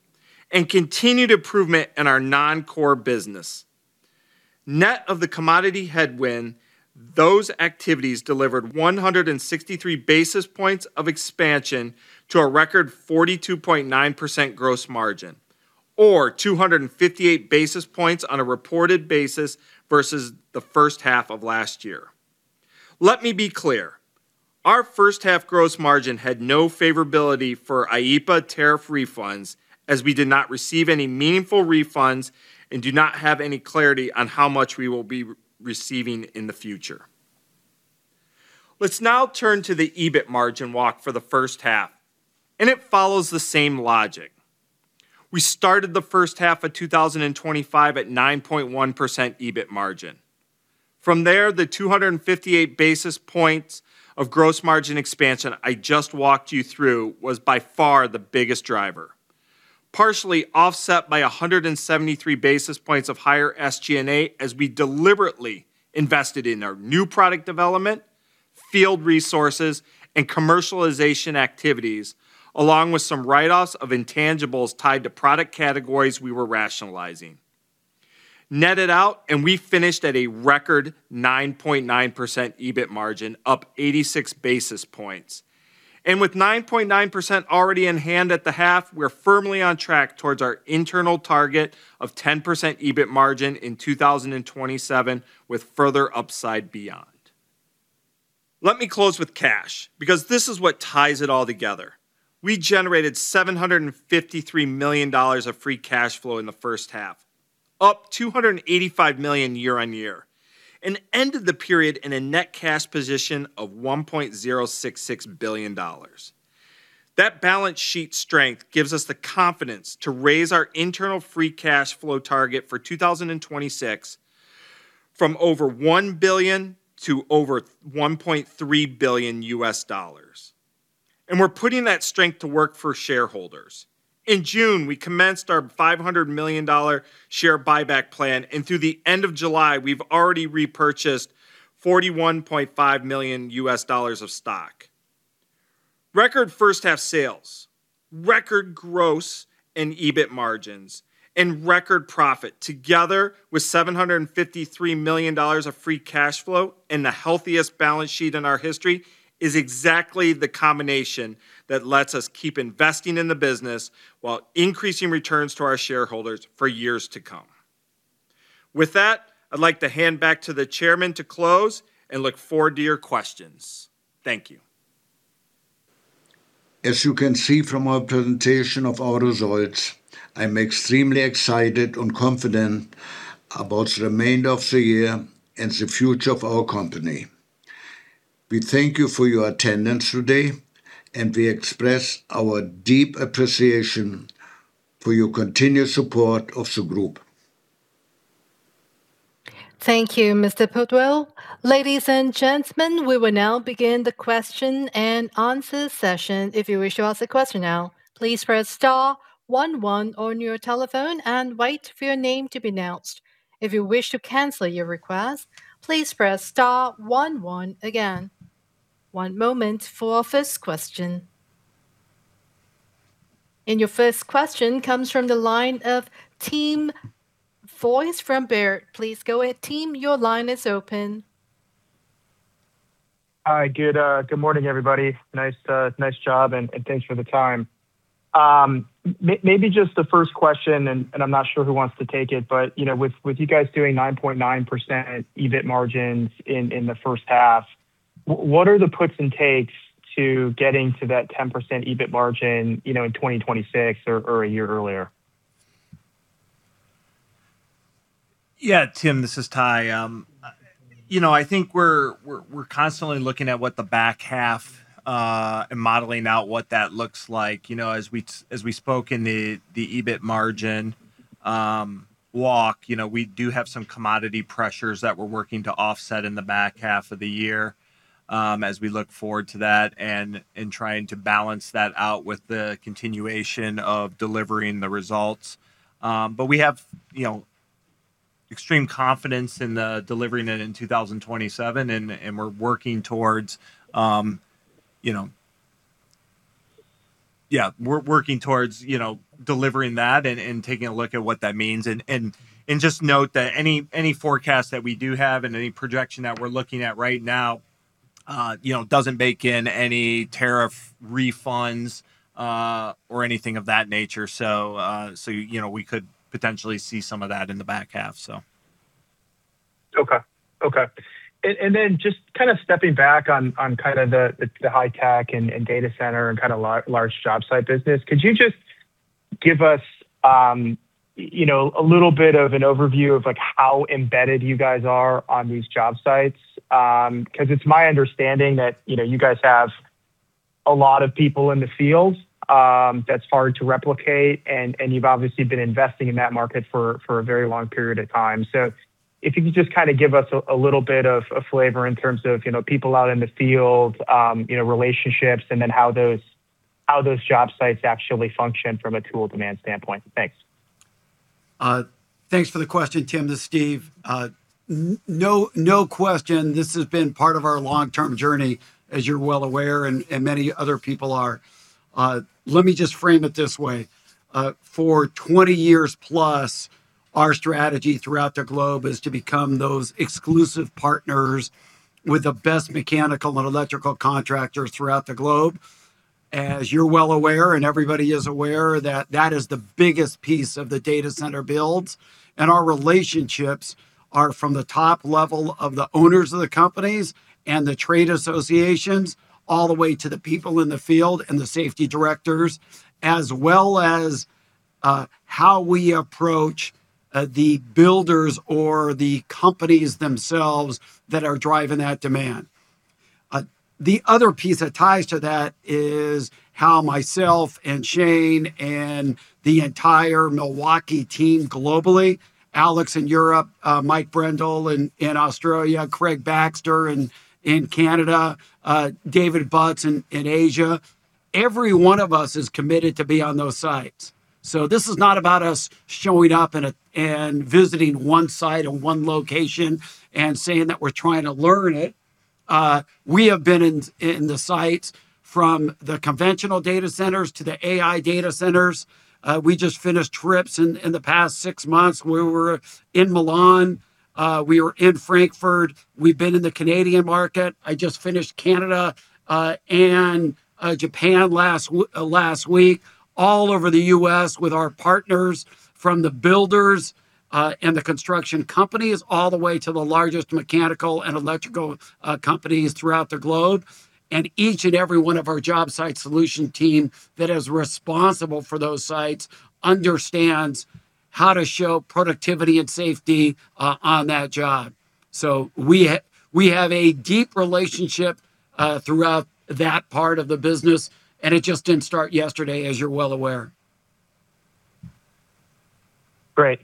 [SPEAKER 5] and continued improvement in our non-core business. Net of the commodity headwind, those activities delivered 163 basis points of expansion to a record 42.9% gross margin, or 258 basis points on a reported basis versus the first half of last year. Let me be clear: Our first half gross margin had no favorability for IEEPA tariff refunds, as we did not receive any meaningful refunds and do not have any clarity on how much we will be receiving in the future. Let's now turn to the EBIT margin walk for the first half. It follows the same logic. We started the first half of 2025 at 9.1% EBIT margin. From there, the 258 basis points of gross margin expansion I just walked you through was by far the biggest driver, partially offset by 173 basis points of higher SG&A as we deliberately invested in our new product development, field resources, and commercialization activities, along with some write-offs of intangibles tied to product categories we were rationalizing. Net it out, we finished at a record 9.9% EBIT margin, up 86 basis points. With 9.9% already in hand at the half, we're firmly on track towards our internal target of 10% EBIT margin in 2027, with further upside beyond. Let me close with cash, because this is what ties it all together. We generated $753 million of free cash flow in the first half, up $285 million year-on-year, and ended the period in a net cash position of $1.066 billion. That balance sheet strength gives us the confidence to raise our internal free cash flow target for 2026 from over $1 billion to over $1.3 billion. We're putting that strength to work for shareholders. In June, we commenced our $500 million share buyback plan, and through the end of July, we've already repurchased $41.5 million of stock. Record first half sales, record gross and EBIT margins, and record profit, together with $753 million of free cash flow and the healthiest balance sheet in our history, is exactly the combination that lets us keep investing in the business while increasing returns to our shareholders for years to come. With that, I'd like to hand back to the chairman to close and look forward to your questions. Thank you.
[SPEAKER 2] As you can see from our presentation of our results, I'm extremely excited and confident about the remainder of the year and the future of our company. We thank you for your attendance today. We express our deep appreciation for your continued support of the group.
[SPEAKER 1] Thank you, Mr. Pudwill. Ladies and gentlemen, we will now begin the question-and-answer session. If you wish to ask a question now, please press star one one on your telephone and wait for your name to be announced. If you wish to cancel your request, please press star one one again. One moment for our first question. Your first question comes from the line of Tim Wojs from Baird. Please go ahead, Tim, your line is open.
[SPEAKER 6] Hi. Good morning, everybody. Nice job, and thanks for the time. Maybe just the first question, and I'm not sure who wants to take it, with you guys doing 9.9% EBIT margins in the first half, what are the puts and takes to getting to that 10% EBIT margin in 2026 or a year earlier?
[SPEAKER 5] Yeah, Tim, this is Ty. I think we're constantly looking at what the back half and modeling out what that looks like. As we spoke in the EBIT margin walk, we do have some commodity pressures that we're working to offset in the back half of the year as we look forward to that and trying to balance that out with the continuation of delivering the results. We have extreme confidence in delivering it in 2027. We're working towards delivering that and taking a look at what that means. Just note that any forecast that we do have and any projection that we're looking at right now, doesn't bake in any tariff refunds or anything of that nature. We could potentially see some of that in the back half.
[SPEAKER 6] Okay. Just kind of stepping back on kind of the high tech and data center and kind of large job site business, could you just give us a little bit of an overview of how embedded you guys are on these job sites? Because it's my understanding that you guys have a lot of people in the field that's hard to replicate, and you've obviously been investing in that market for a very long period of time. If you could just kind of give us a little bit of flavor in terms of people out in the field, relationships, and then how those job sites actually function from a tool demand standpoint. Thanks.
[SPEAKER 4] Thanks for the question, Tim. This is Steve. No question, this has been part of our long-term journey, as you're well aware and many other people are. Let me just frame it this way. For 20 years+, our strategy throughout the globe is to become those exclusive partners with the best mechanical and electrical contractors throughout the globe, as you're well aware, everybody is aware that that is the biggest piece of the data center builds. Our relationships are from the top level of the owners of the companies and the trade associations, all the way to the people in the field and the safety directors, as well as how we approach the builders or the companies themselves that are driving that demand. The other piece that ties to that is how myself and Shane and the entire Milwaukee team globally, Alex in Europe, Mike Brendel in Australia, Craig Baxter in Canada, David Butts in Asia, every one of us is committed to be on those sites. This is not about us showing up and visiting one site and one location and saying that we're trying to learn it. We have been in the sites from the conventional data centers to the AI data centers. We just finished trips in the past six months. We were in Milan, we were in Frankfurt. We've been in the Canadian market. I just finished Canada and Japan last week. All over the U.S. with our partners, from the builders and the construction companies, all the way to the largest mechanical and electrical companies throughout the globe. Each and every one of our job site solution team that is responsible for those sites understands how to show productivity and safety on that job. We have a deep relationship throughout that part of the business, and it just didn't start yesterday, as you're well aware.
[SPEAKER 6] Great.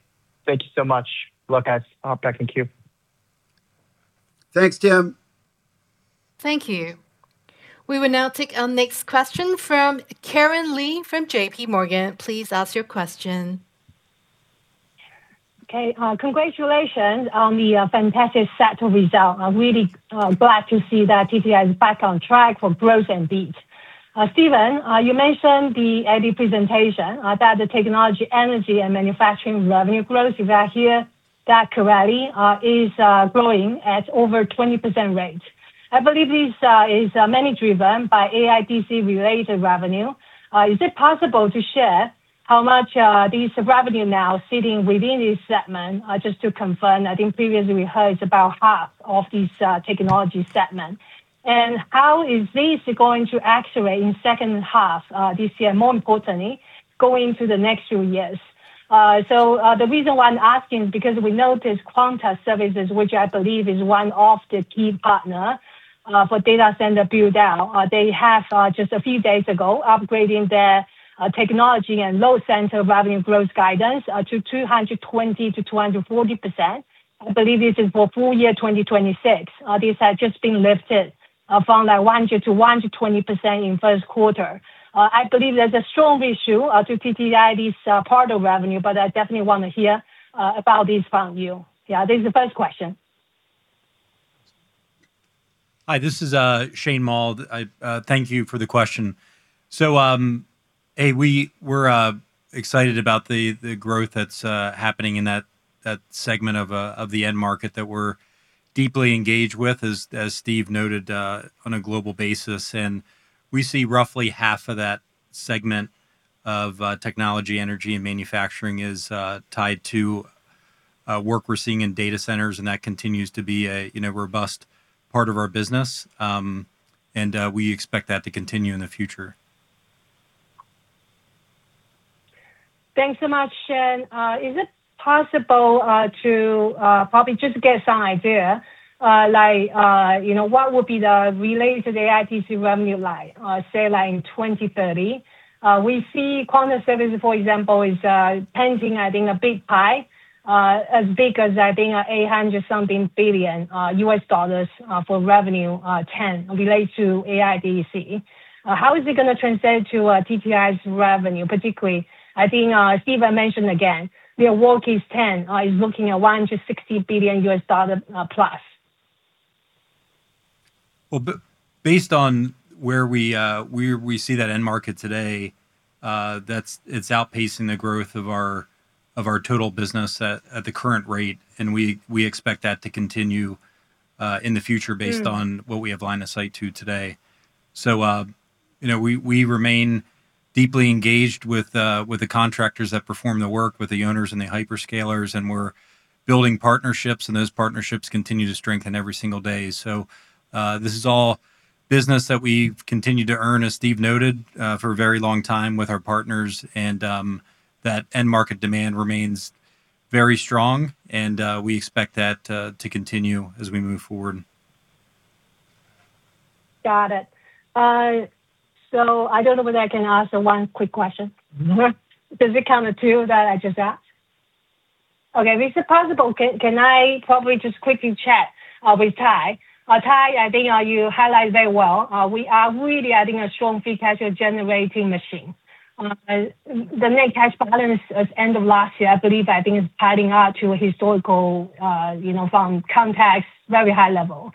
[SPEAKER 6] Thank you so much. Look, I'll hop back in queue.
[SPEAKER 4] Thanks, Tim.
[SPEAKER 1] Thank you. We will now take our next question from Karen Li from JPMorgan. Please ask your question.
[SPEAKER 7] Congratulations on the fantastic set of results. I'm really glad to see that TTI is back on track for growth and beat. Steven, you mentioned the ED presentation about the technology, energy, and manufacturing revenue growth. You've heard here that cordless is growing at over 20% rate. I believe this is mainly driven by AIDC related revenue. Is it possible to share how much this revenue now sitting within this segment? Just to confirm, I think previously we heard it's about half of this technology segment. And how is this going to actuate in second half this year, more importantly, going through the next two years? The reason why I'm asking is because we noticed Quanta Services, which I believe is one of the key partner for data center build out. They have just a few days ago upgrading their technology and load center revenue growth guidance to 220%-240%. I believe this is for full-year 2026. This has just been lifted from the 100%-120% in first quarter. I believe there's a strong issue to TTI this part of revenue, but I definitely want to hear about this from you. Yeah, this is the first question.
[SPEAKER 8] Hi, this is Shane Moll. Thank you for the question. We're excited about the growth that's happening in that segment of the end-market that we're deeply engaged with, as Steve noted, on a global basis. We see roughly half of that segment of technology, energy, and manufacturing is tied to work we're seeing in data centers, and that continues to be a robust part of our business. We expect that to continue in the future.
[SPEAKER 7] Thanks so much, Shane. Is it possible to probably just get some idea, like what would be the related AIDC revenue like, say in 2030? We see Quanta Services, for example, is painting, I think, a big pie, as big as, I think, $800 something billion for revenue 10% related to AIDC. How is it going to translate to TTI's revenue, particularly? I think Steve mentioned again, the work is 10%, is looking at $160 billion+.
[SPEAKER 8] Well, based on where we see that end-market today, it's outpacing the growth of our total business at the current rate, we expect that to continue in the future based on what we have line of sight to today. We remain deeply engaged with the contractors that perform the work, with the owners and the hyperscalers, we're building partnerships, and those partnerships continue to strengthen every single day. This is all business that we've continued to earn, as Steve noted, for a very long time with our partners. That end market demand remains very strong, and we expect that to continue as we move forward.
[SPEAKER 7] Got it. I don't know whether I can ask one quick question. Does it count as two that I just asked? Okay, if it's possible, can I probably just quickly chat with Ty? Ty, I think you highlighted very well. We are really adding a strong free cash flow generating machine. The net cash balance as end of last year, I believe, I think is panning out to a historical, from context, very high level.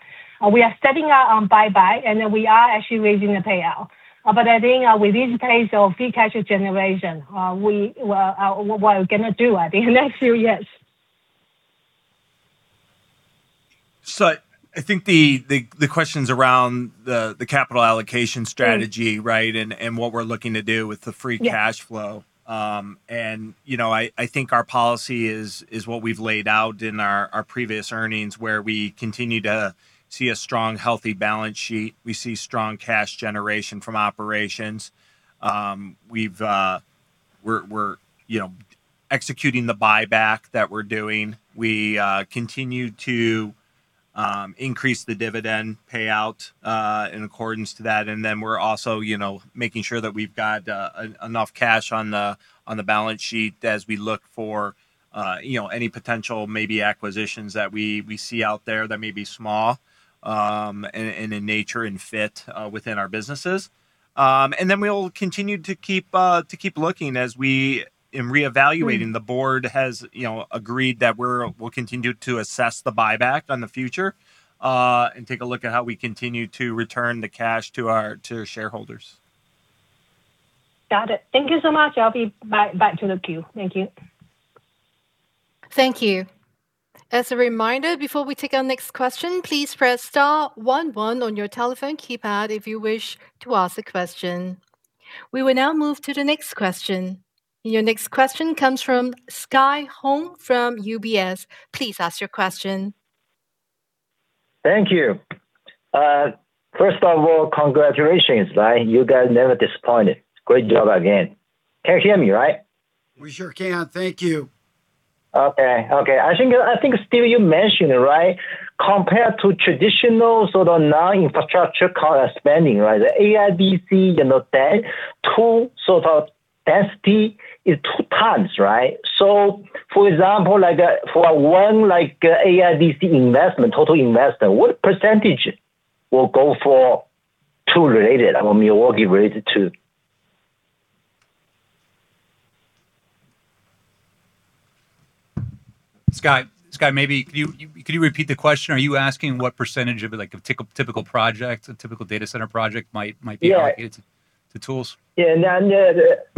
[SPEAKER 7] We are starting our buyback, and then we are actually raising the payout. I think with this pace of free cash generation, what we're going to do in the next few years?
[SPEAKER 5] I think the questions around the capital allocation strategy, right? What we're looking to do with the free cash flow.
[SPEAKER 7] Yeah.
[SPEAKER 5] I think our policy is what we've laid out in our previous earnings, where we continue to see a strong, healthy balance sheet. We see strong cash generation from operations. We're executing the buyback that we're doing. We continue to increase the dividend payout, in accordance to that. Then we're also making sure that we've got enough cash on the balance sheet as we look for any potential maybe acquisitions that we see out there that may be small in nature and fit within our businesses. Then we'll continue to keep looking as we, in reevaluating. The Board has agreed that we will continue to assess the buyback on the future, and take a look at how we continue to return the cash to shareholders.
[SPEAKER 7] Got it. Thank you so much. I will be back to the queue. Thank you.
[SPEAKER 1] Thank you. As a reminder, before we take our next question, please press star one one on your telephone keypad if you wish to ask a question. We will now move to the next question. Your next question comes from Sky Hong from UBS. Please ask your question.
[SPEAKER 9] Thank you. First of all, congratulations. You guys never disappointed. Great job again. Can you hear me, right?
[SPEAKER 4] We sure can. Thank you.
[SPEAKER 9] Okay. I think, Steve, you mentioned, right, compared to traditional non-infrastructure kind of spending. The AIDC, the tech tool sort of density is two times. For example, for one AIDC investment, total investment, what percentage will go for tool related? I mean, Milwaukee-related tool?
[SPEAKER 8] Sky, maybe could you repeat the question? Are you asking what percentage of a typical project, a typical data center project might be related-
[SPEAKER 9] Yeah
[SPEAKER 8] to tools?
[SPEAKER 9] Yeah.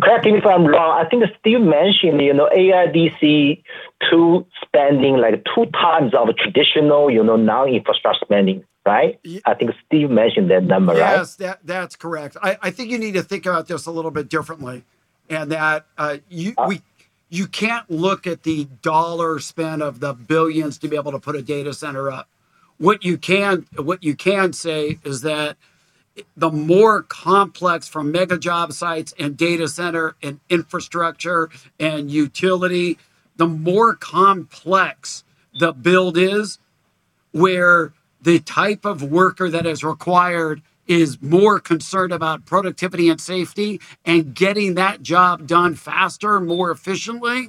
[SPEAKER 9] Correct me if I'm wrong, I think Steve mentioned AIDC tool spending like 2x of traditional non-infrastructure spending. I think Steve mentioned that number, right?
[SPEAKER 4] Yes. That's correct. I think you need to think about this a little bit differently in that you can't look at the dollar spend of the billions to be able to put a data center up. What you can say is that the more complex, from mega job sites and data center and infrastructure and utility, the more complex the build is, where the type of worker that is required is more concerned about productivity and safety and getting that job done faster, more efficiently.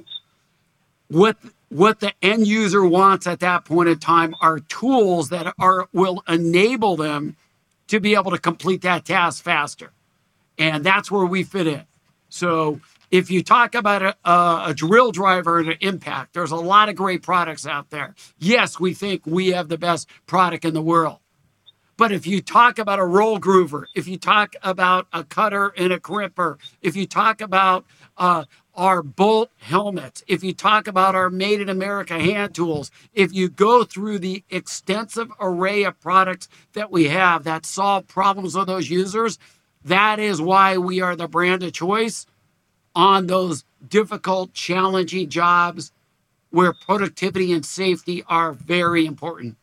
[SPEAKER 4] What the end user wants at that point in time are tools that will enable them to be able to complete that task faster. That's where we fit in. If you talk about a drill driver, an impact, there's a lot of great products out there. Yes, we think we have the best product in the world. If you talk about a roll groover, if you talk about a cutter and a gripper, if you talk about our BOLT helmets, if you talk about our Made in America hand tools, if you go through the extensive array of products that we have that solve problems of those users, that is why we are the brand of choice on those difficult, challenging jobs where productivity and safety are very important.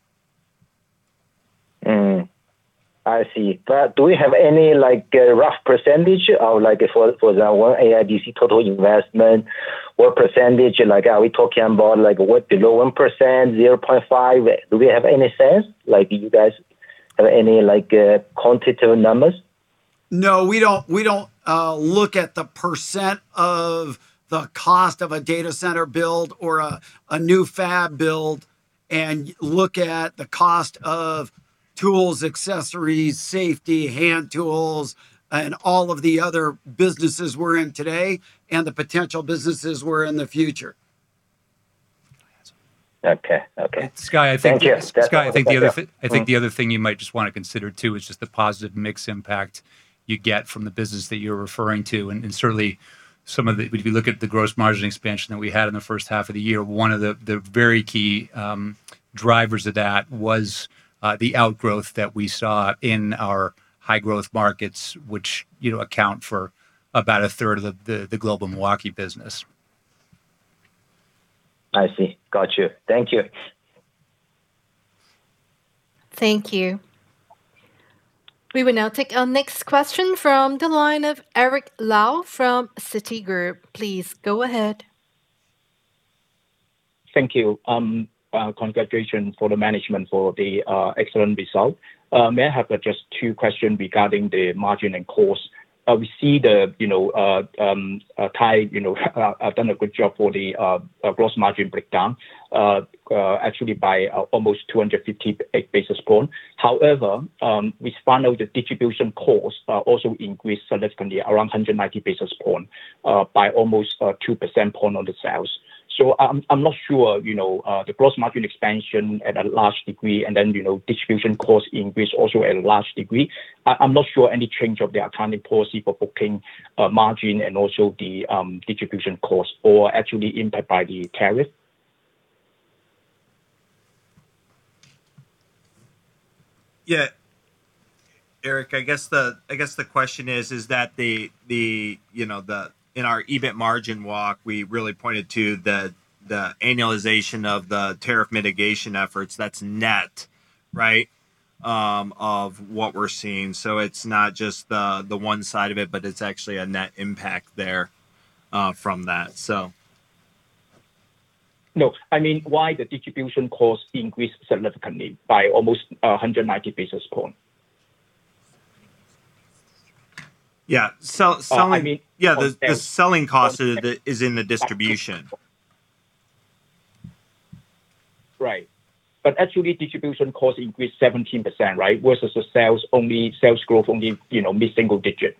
[SPEAKER 9] I see. Do we have any rough percentage? For that one, AIDC total investment, what percentage? Are we talking about below 1%, 0.5%? Do we have any sense? Do you guys have any quantitative numbers?
[SPEAKER 4] No, we don't look at the percent of the cost of a data center build or a new fab build and look at the cost of tools, accessories, safety, hand tools, and all of the other businesses we're in today, and the potential businesses we're in the future.
[SPEAKER 9] Okay.
[SPEAKER 5] Sky.
[SPEAKER 9] Thank you.
[SPEAKER 5] Sky, I think the other thing you might just want to consider too is just the positive mix impact you get from the business that you're referring to. Certainly if you look at the gross margin expansion that we had in the first half of the year, one of the very key drivers of that was the outgrowth that we saw in our high growth markets, which account for about a third of the global Milwaukee business.
[SPEAKER 9] I see. Got you. Thank you.
[SPEAKER 1] Thank you. We will now take our next question from the line of Eric Lau from Citigroup. Please go ahead.
[SPEAKER 10] Thank you. Congratulations for the management for the excellent result. May I have just two question regarding the margin and cost? We see Ty have done a good job for the gross margin breakdown. Actually, by almost 258 basis point. However, we find out the distribution cost also increased significantly, around 190 basis point, by almost 2% point on the sales. I'm not sure, the gross margin expansion at a large degree, and then distribution cost increase also at large degree. I'm not sure any change of the accounting policy for booking margin and also the distribution cost, or actually impact by the tariff?
[SPEAKER 5] Yeah. Eric, I guess the question is that in our EBIT margin walk, we really pointed to the annualization of the tariff mitigation efforts. That's net of what we're seeing. It's not just the one side of it, but it's actually a net impact there from that.
[SPEAKER 10] No, I mean why the distribution cost increased significantly by almost 190 basis point.
[SPEAKER 5] Yeah.
[SPEAKER 10] I mean.
[SPEAKER 5] Yeah, the selling cost is in the distribution.
[SPEAKER 10] Right. actually, distribution cost increased 17%, right? Versus the sales growth, only mid-single-digit.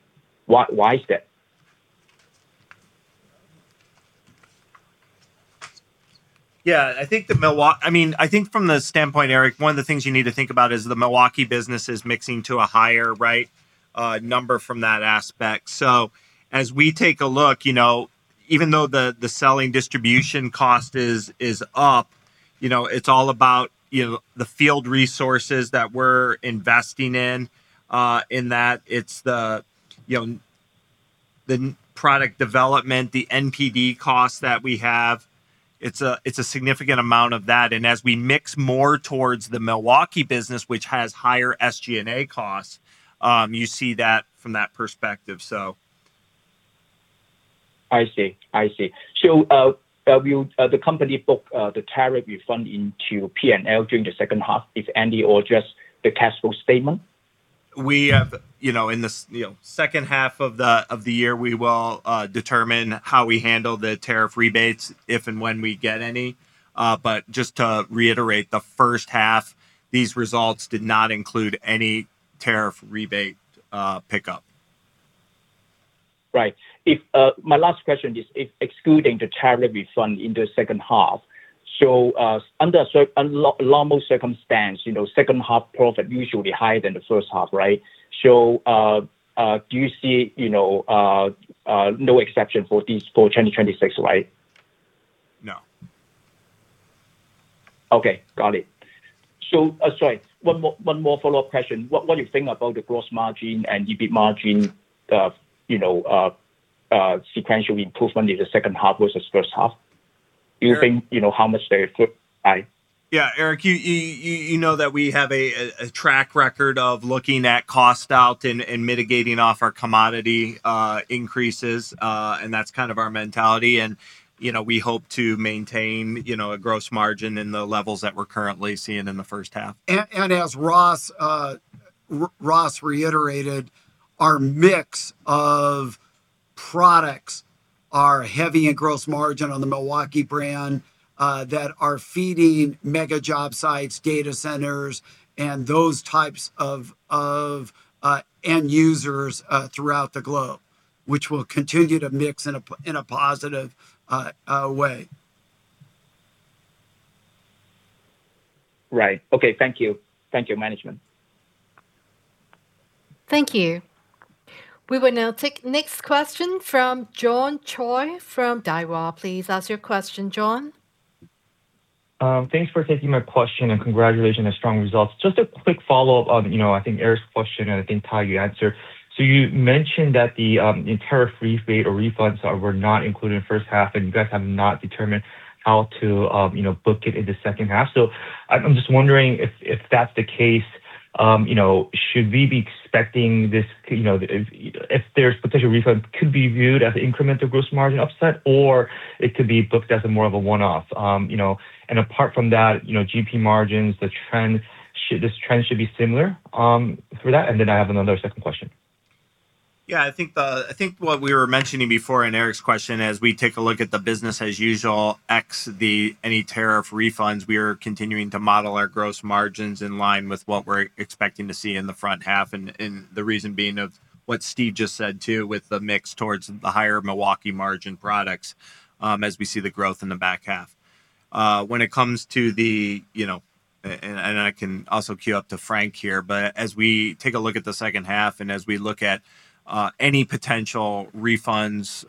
[SPEAKER 10] Why is that?
[SPEAKER 5] I think from the standpoint, Eric, one of the things you need to think about is the Milwaukee business is mixing to a higher number from that aspect. As we take a look, even though the selling distribution cost is up, it's all about the field resources that we're investing in that it's the product development, the NPD cost that we have. It's a significant amount of that. As we mix more towards the Milwaukee business, which has higher SG&A costs, you see that from that perspective.
[SPEAKER 10] I see. Will the company book the tariff refund into P&L during the second half, if any, or just the cash flow statement?
[SPEAKER 5] In the second half of the year, we will determine how we handle the tariff rebates, if and when we get any. Just to reiterate, the first half, these results did not include any tariff rebate pickup.
[SPEAKER 10] Right. My last question is, if excluding the tariff refund in the second half, under normal circumstance, second half profit usually higher than the first half, right? Do you see no exception for 2026, right?
[SPEAKER 5] No.
[SPEAKER 10] Okay. Got it. Sorry, one more follow-up question. What you think about the gross margin and EBIT margin sequential improvement in the second half versus first half?
[SPEAKER 5] Eric-
[SPEAKER 10] Do you think how much they equip?
[SPEAKER 5] Yeah, Eric, you know that we have a track record of looking at cost out and mitigating off our commodity increases. That's kind of our mentality. We hope to maintain a gross margin in the levels that we're currently seeing in the first half.
[SPEAKER 4] As Horst reiterated, our mix of products are heavy in gross margin on the Milwaukee brand, that are feeding mega job sites, data centers, and those types of end users throughout the globe, which will continue to mix in a positive way.
[SPEAKER 10] Right. Okay. Thank you. Thank you, management.
[SPEAKER 1] Thank you. We will now take next question from John Choi from Daiwa. Please ask your question, John.
[SPEAKER 11] Thanks for taking my question. Congratulations on strong results. Just a quick follow-up on Eric's question, and I think, Ty, you answered. You mentioned that the entire tariff or refunds were not included in first half, and you guys have not determined how to book it in the second half. I'm just wondering if that's the case, should we be expecting this. If there's potential refund could be viewed as incremental gross margin upset or it could be booked as more of a one-off? Apart from that, GP margins, this trend should be similar for that? I have another second question.
[SPEAKER 5] What we were mentioning before in Eric's question, as we take a look at the business as usual, X any tariff refunds, we are continuing to model our gross margins in line with what we're expecting to see in the front half. The reason being of what Steve just said too, with the mix towards the higher Milwaukee margin products, as we see the growth in the back half. When it comes to the, I can also queue up to Frank here. As we take a look at the second half and as we look at any potential refunds,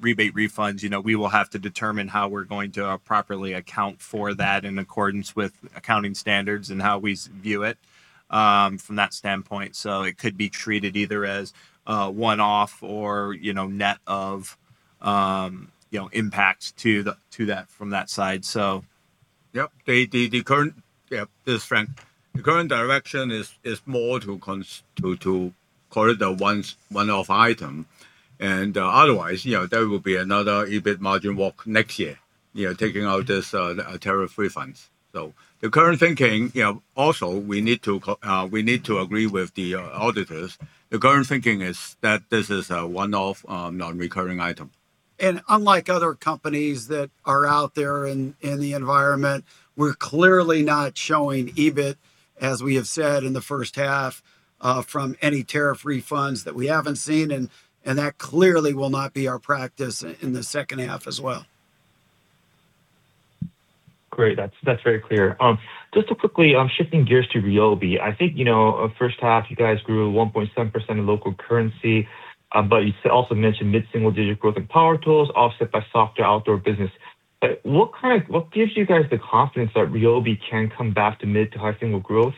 [SPEAKER 5] rebate refunds, we will have to determine how we're going to properly account for that in accordance with accounting standards and how we view it from that standpoint. It could be treated either as a one-off or net of impact from that side.
[SPEAKER 3] Yep. This is Frank. The current direction is more to call it a one-off item. Otherwise, there will be another EBIT margin walk next year, taking out this tariff refunds. The current thinking, also we need to agree with the auditors. The current thinking is that this is a one-off, non-recurring item.
[SPEAKER 4] Unlike other companies that are out there in the environment, we're clearly not showing EBIT, as we have said in the first half, from any tariff refunds that we haven't seen, and that clearly will not be our practice in the second half as well.
[SPEAKER 11] Great. That's very clear. Just to quickly shifting gears to Ryobi. I think, first half, you guys grew 1.7% in local currency. You also mentioned mid-single-digit growth in power tools offset by softer outdoor business. What gives you guys the confidence that Ryobi can come back to m-d to high-single growth?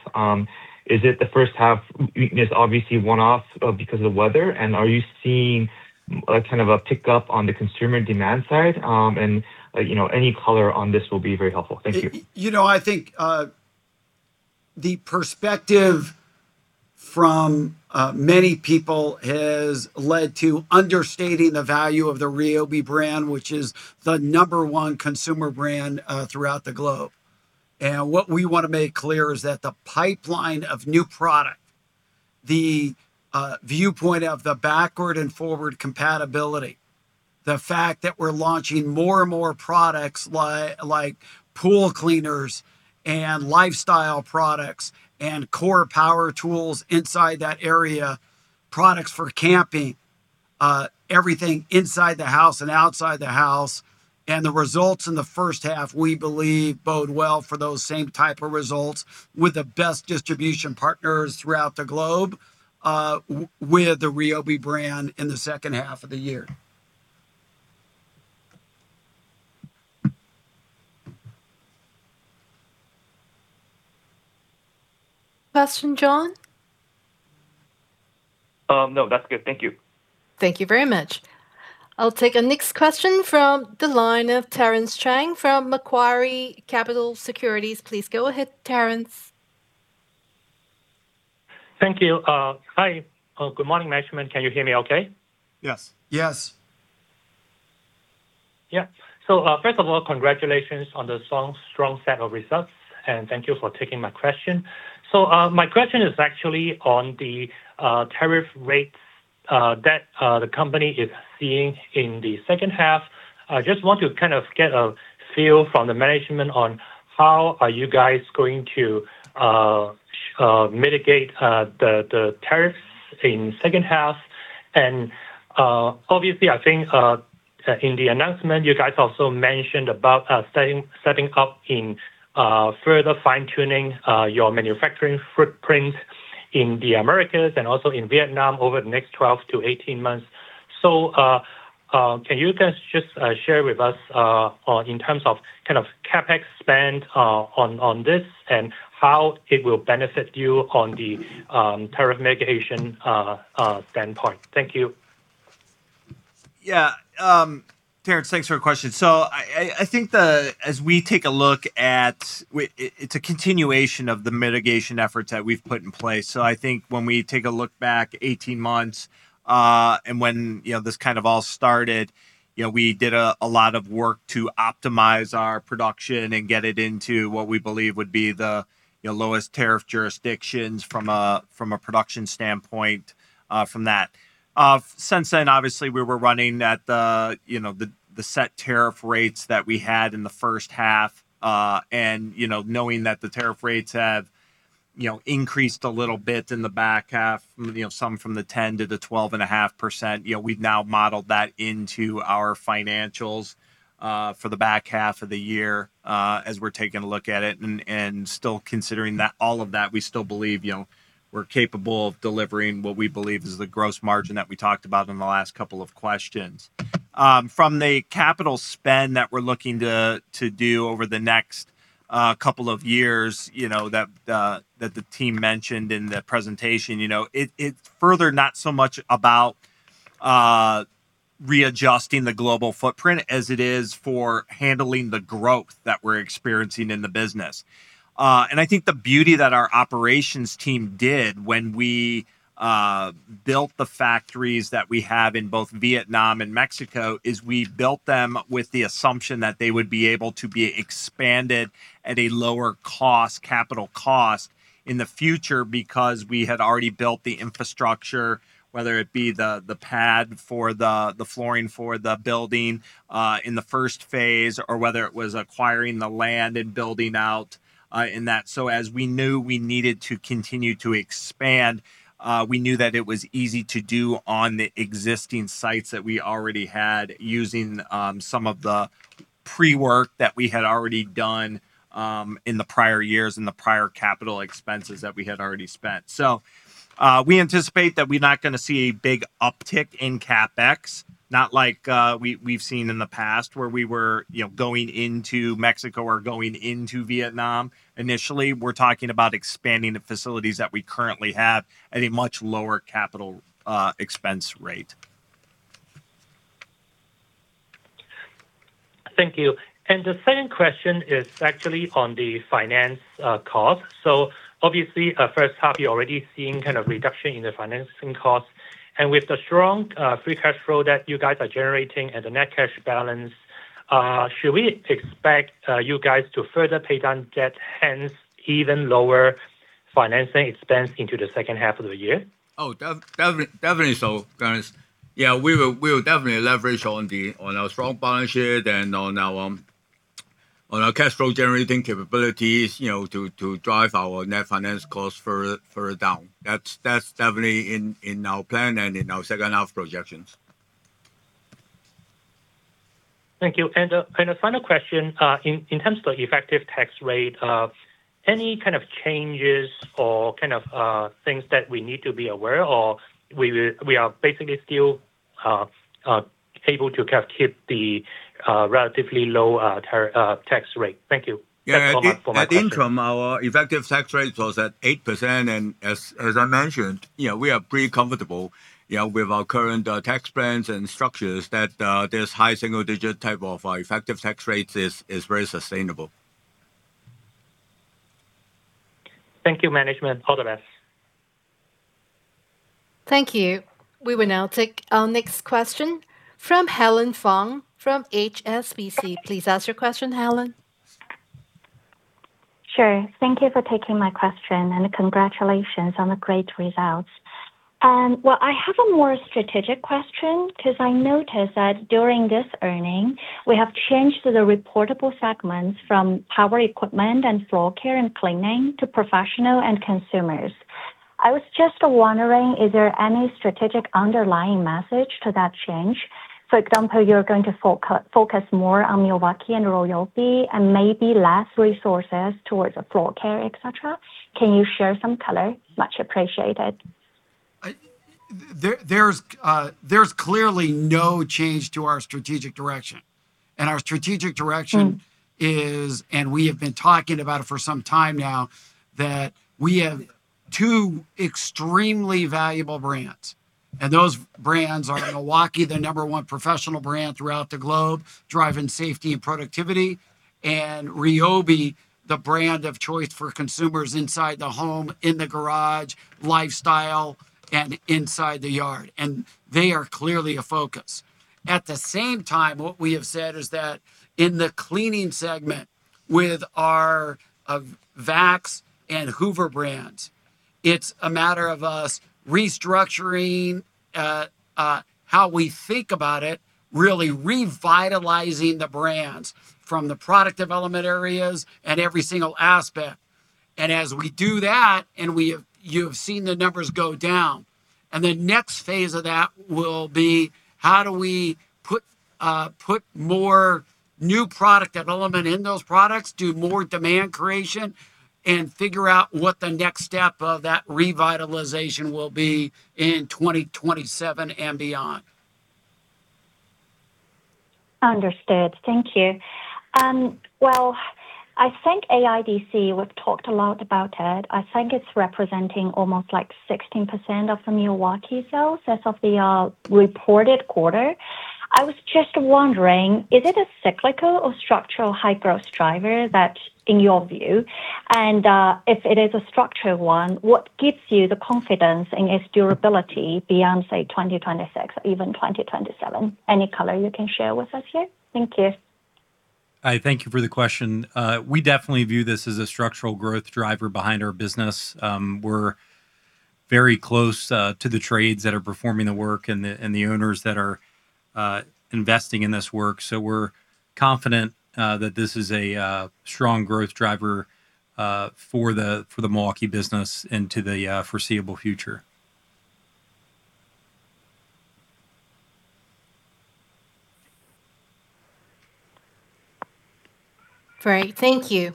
[SPEAKER 11] Is it the first half is obviously one-off because of the weather? Are you seeing a pickup on the consumer demand side? Any color on this will be very helpful. Thank you.
[SPEAKER 4] I think the perspective from many people has led to understating the value of the Ryobi brand, which is the number one consumer brand throughout the globe. What we want to make clear is that the pipeline of new product, the viewpoint of the backward and forward compatibility, the fact that we're launching more and more products like pool cleaners and lifestyle products and core power tools inside that area, products for camping, everything inside the house and outside the house. The results in the first half, we believe bode well for those same type of results with the best distribution partners throughout the globe, with the Ryobi brand in the second half of the year.
[SPEAKER 1] Question, John?
[SPEAKER 11] No, that's good. Thank you.
[SPEAKER 1] Thank you very much. I'll take our next question from the line of Terence Chang from Macquarie Capital Securities. Please go ahead, Terence.
[SPEAKER 12] Thank you. Hi. Good morning, management. Can you hear me okay?
[SPEAKER 5] Yes.
[SPEAKER 4] Yes.
[SPEAKER 12] First of all, congratulations on the strong set of results, and thank you for taking my question. My question is actually on the tariff rates that the company is seeing in the second half. I just want to get a feel from the management on how are you guys going to mitigate the tariffs in second half. Obviously, I think, in the announcement, you guys also mentioned about setting up in further fine-tuning your manufacturing footprint in the Americas and also in Vietnam over the next 12-18 months. Can you guys just share with us, in terms of CapEx spend on this and how it will benefit you on the tariff mitigation standpoint? Thank you.
[SPEAKER 5] Yeah. Terence, thanks for your question. As we take a look at, it's a continuation of the mitigation efforts that we've put in place. When we take a look back 18 months, and when this all started, we did a lot of work to optimize our production and get it into what we believe would be the lowest tariff jurisdictions from a production standpoint from that. Since then, obviously, we were running at the set tariff rates that we had in the first half. Knowing that the tariff rates have increased a little bit in the back half, some from the 10%-12.5%, we've now modeled that into our financials for the back half of the year as we're taking a look at it. Still considering all of that, we still believe we're capable of delivering what we believe is the gross margin that we talked about in the last couple of questions. From the capital spend that we're looking to do over the next couple of years, that the team mentioned in the presentation, it's further not so much about readjusting the global footprint as it is for handling the growth that we're experiencing in the business. I think the beauty that our operations team did when we built the factories that we have in both Vietnam and Mexico is we built them with the assumption that they would be able to be expanded at a lower capital cost in the future, because we had already built the infrastructure, whether it be the pad for the flooring for the building in the first phase, or whether it was acquiring the land and building out in that. As we knew we needed to continue to expand, we knew that it was easy to do on the existing sites that we already had using some of the pre-work that we had already done in the prior years and the prior capital expenses that we had already spent. We anticipate that we're not going to see a big uptick in CapEx, not like we've seen in the past where we were going into Mexico or going into Vietnam. Initially, we're talking about expanding the facilities that we currently have at a much lower capital expense rate.
[SPEAKER 12] Thank you. The second question is actually on the finance cost. Obviously, first half you're already seeing kind of reduction in the financing cost. With the strong free cash flow that you guys are generating and the net cash balance, should we expect you guys to further pay down debt, hence even lower financing expense into the second half of the year?
[SPEAKER 3] Definitely so, Terence. We'll definitely leverage on our strong balance sheet and on our cash flow generating capabilities to drive our net finance costs further down. That's definitely in our plan and in our second half projections.
[SPEAKER 12] Thank you. A final question, in terms of the effective tax rate, any kind of changes or kind of things that we need to be aware of? We are basically still able to kind of keep the relatively low tax rate? Thank you. That's all my questions.
[SPEAKER 3] Yeah, at interim, our effective tax rate was at 8%. As I mentioned, we are pretty comfortable with our current tax plans and structures that this high- single-digit type of effective tax rate is very sustainable.
[SPEAKER 12] Thank you, management. Over to you.
[SPEAKER 1] Thank you. We will now take our next question from Helen Fang from HSBC. Please ask your question, Helen.
[SPEAKER 13] Sure. Thank you for taking my question, and congratulations on the great results. Well, I have a more strategic question because I noticed that during this earning we have changed the reportable segments from power equipment and floor care and cleaning to professional and consumers. I was just wondering, is there any strategic underlying message to that change? For example, you're going to focus more on Milwaukee and Ryobi and maybe less resources towards floor care, et cetera. Can you share some color? Much appreciated.
[SPEAKER 4] There's clearly no change to our strategic direction. Our strategic direction is, we have been talking about it for some time now, that we have two extremely valuable brands. Those brands are Milwaukee, the number one professional brand throughout the globe, driving safety and productivity. Ryobi, the brand of choice for consumers inside the home, in the garage, lifestyle, and inside the yard. They are clearly a focus. At the same time, what we have said is that in the cleaning segment with our Vax and Hoover brands, it's a matter of us restructuring how we think about it, really revitalizing the brands from the product development areas and every single aspect. As we do that, you've seen the numbers go down. The next phase of that will be how do we put more new product development in those products, do more demand creation, and figure out what the next step of that revitalization will be in 2027 and beyond.
[SPEAKER 13] Understood. Thank you. Well, I think AIDC, we've talked a lot about it. I think it's representing almost like 16% of the Milwaukee sales as of the reported quarter. I was just wondering, is it a cyclical or structural high-growth driver that's in your view? If it is a structural one, what gives you the confidence in its durability beyond, say, 2026 or even 2027? Any color you can share with us here? Thank you.
[SPEAKER 8] Hi, thank you for the question. We definitely view this as a structural growth driver behind our business. We're very close to the trades that are performing the work and the owners that are investing in this work, so we're confident that this is a strong growth driver for the Milwaukee business into the foreseeable future.
[SPEAKER 1] Great, thank you.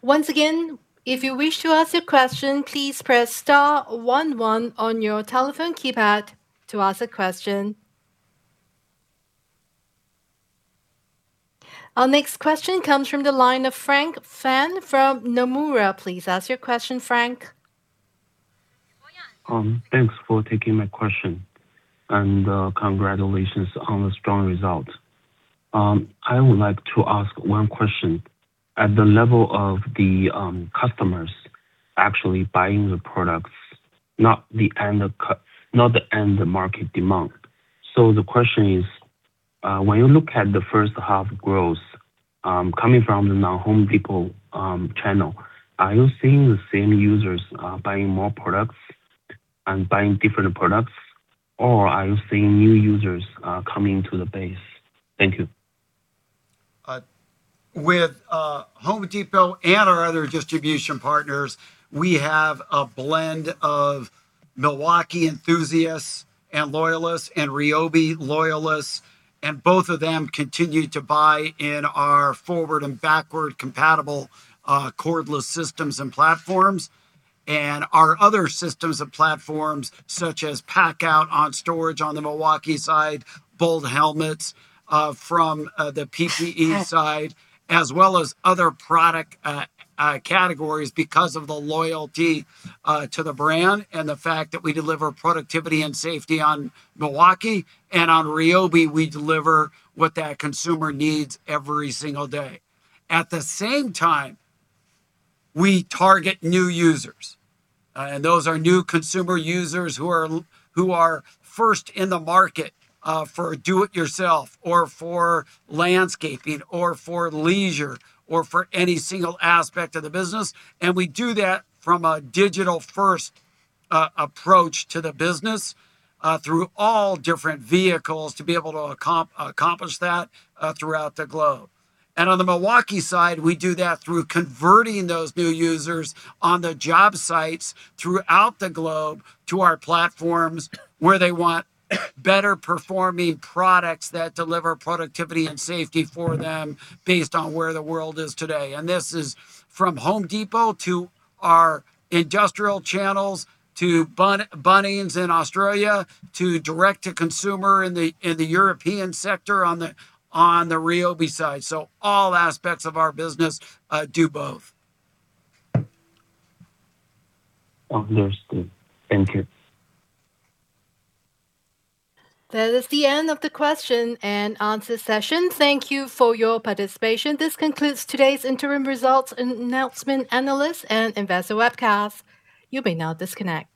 [SPEAKER 1] Once again, if you wish to ask a question, please press star one one on your telephone keypad to ask a question. Our next question comes from the line of Frank Fan from Nomura. Please ask your question, Frank.
[SPEAKER 14] Thanks for taking my question, congratulations on the strong results. I would like to ask one question. At the level of the customers actually buying the products, not the end market demand. The question is, when you look at the first half growth coming from The Home Depot channel, are you seeing the same users buying more products and buying different products, or are you seeing new users coming to the base? Thank you.
[SPEAKER 4] With The Home Depot and our other distribution partners, we have a blend of Milwaukee enthusiasts and loyalists and Ryobi loyalists, both of them continue to buy in our forward and backward compatible cordless systems and platforms. Our other systems and platforms, such as PACKOUT on storage on the Milwaukee side, BOLT helmets from the PPE side, as well as other product categories because of the loyalty to the brand and the fact that we deliver productivity and safety on Milwaukee and on Ryobi, we deliver what that consumer needs every single day. At the same time, we target new users. Those are new consumer users who are first in the market for do-it-yourself, or for landscaping, or for leisure, or for any single aspect of the business. We do that from a digital-first approach to the business through all different vehicles to be able to accomplish that throughout the globe. On the Milwaukee side, we do that through converting those new users on the job sites throughout the globe to our platforms, where they want better performing products that deliver productivity and safety for them based on where the world is today. This is from The Home Depot to our industrial channels, to Bunnings in Australia, to direct-to-consumer in the European sector on the Ryobi side. All aspects of our business do both.
[SPEAKER 14] Understood. Thank you.
[SPEAKER 1] That is the end of the question-and-answer session. Thank you for your participation. This concludes today's interim results announcement analyst and investor webcast. You may now disconnect.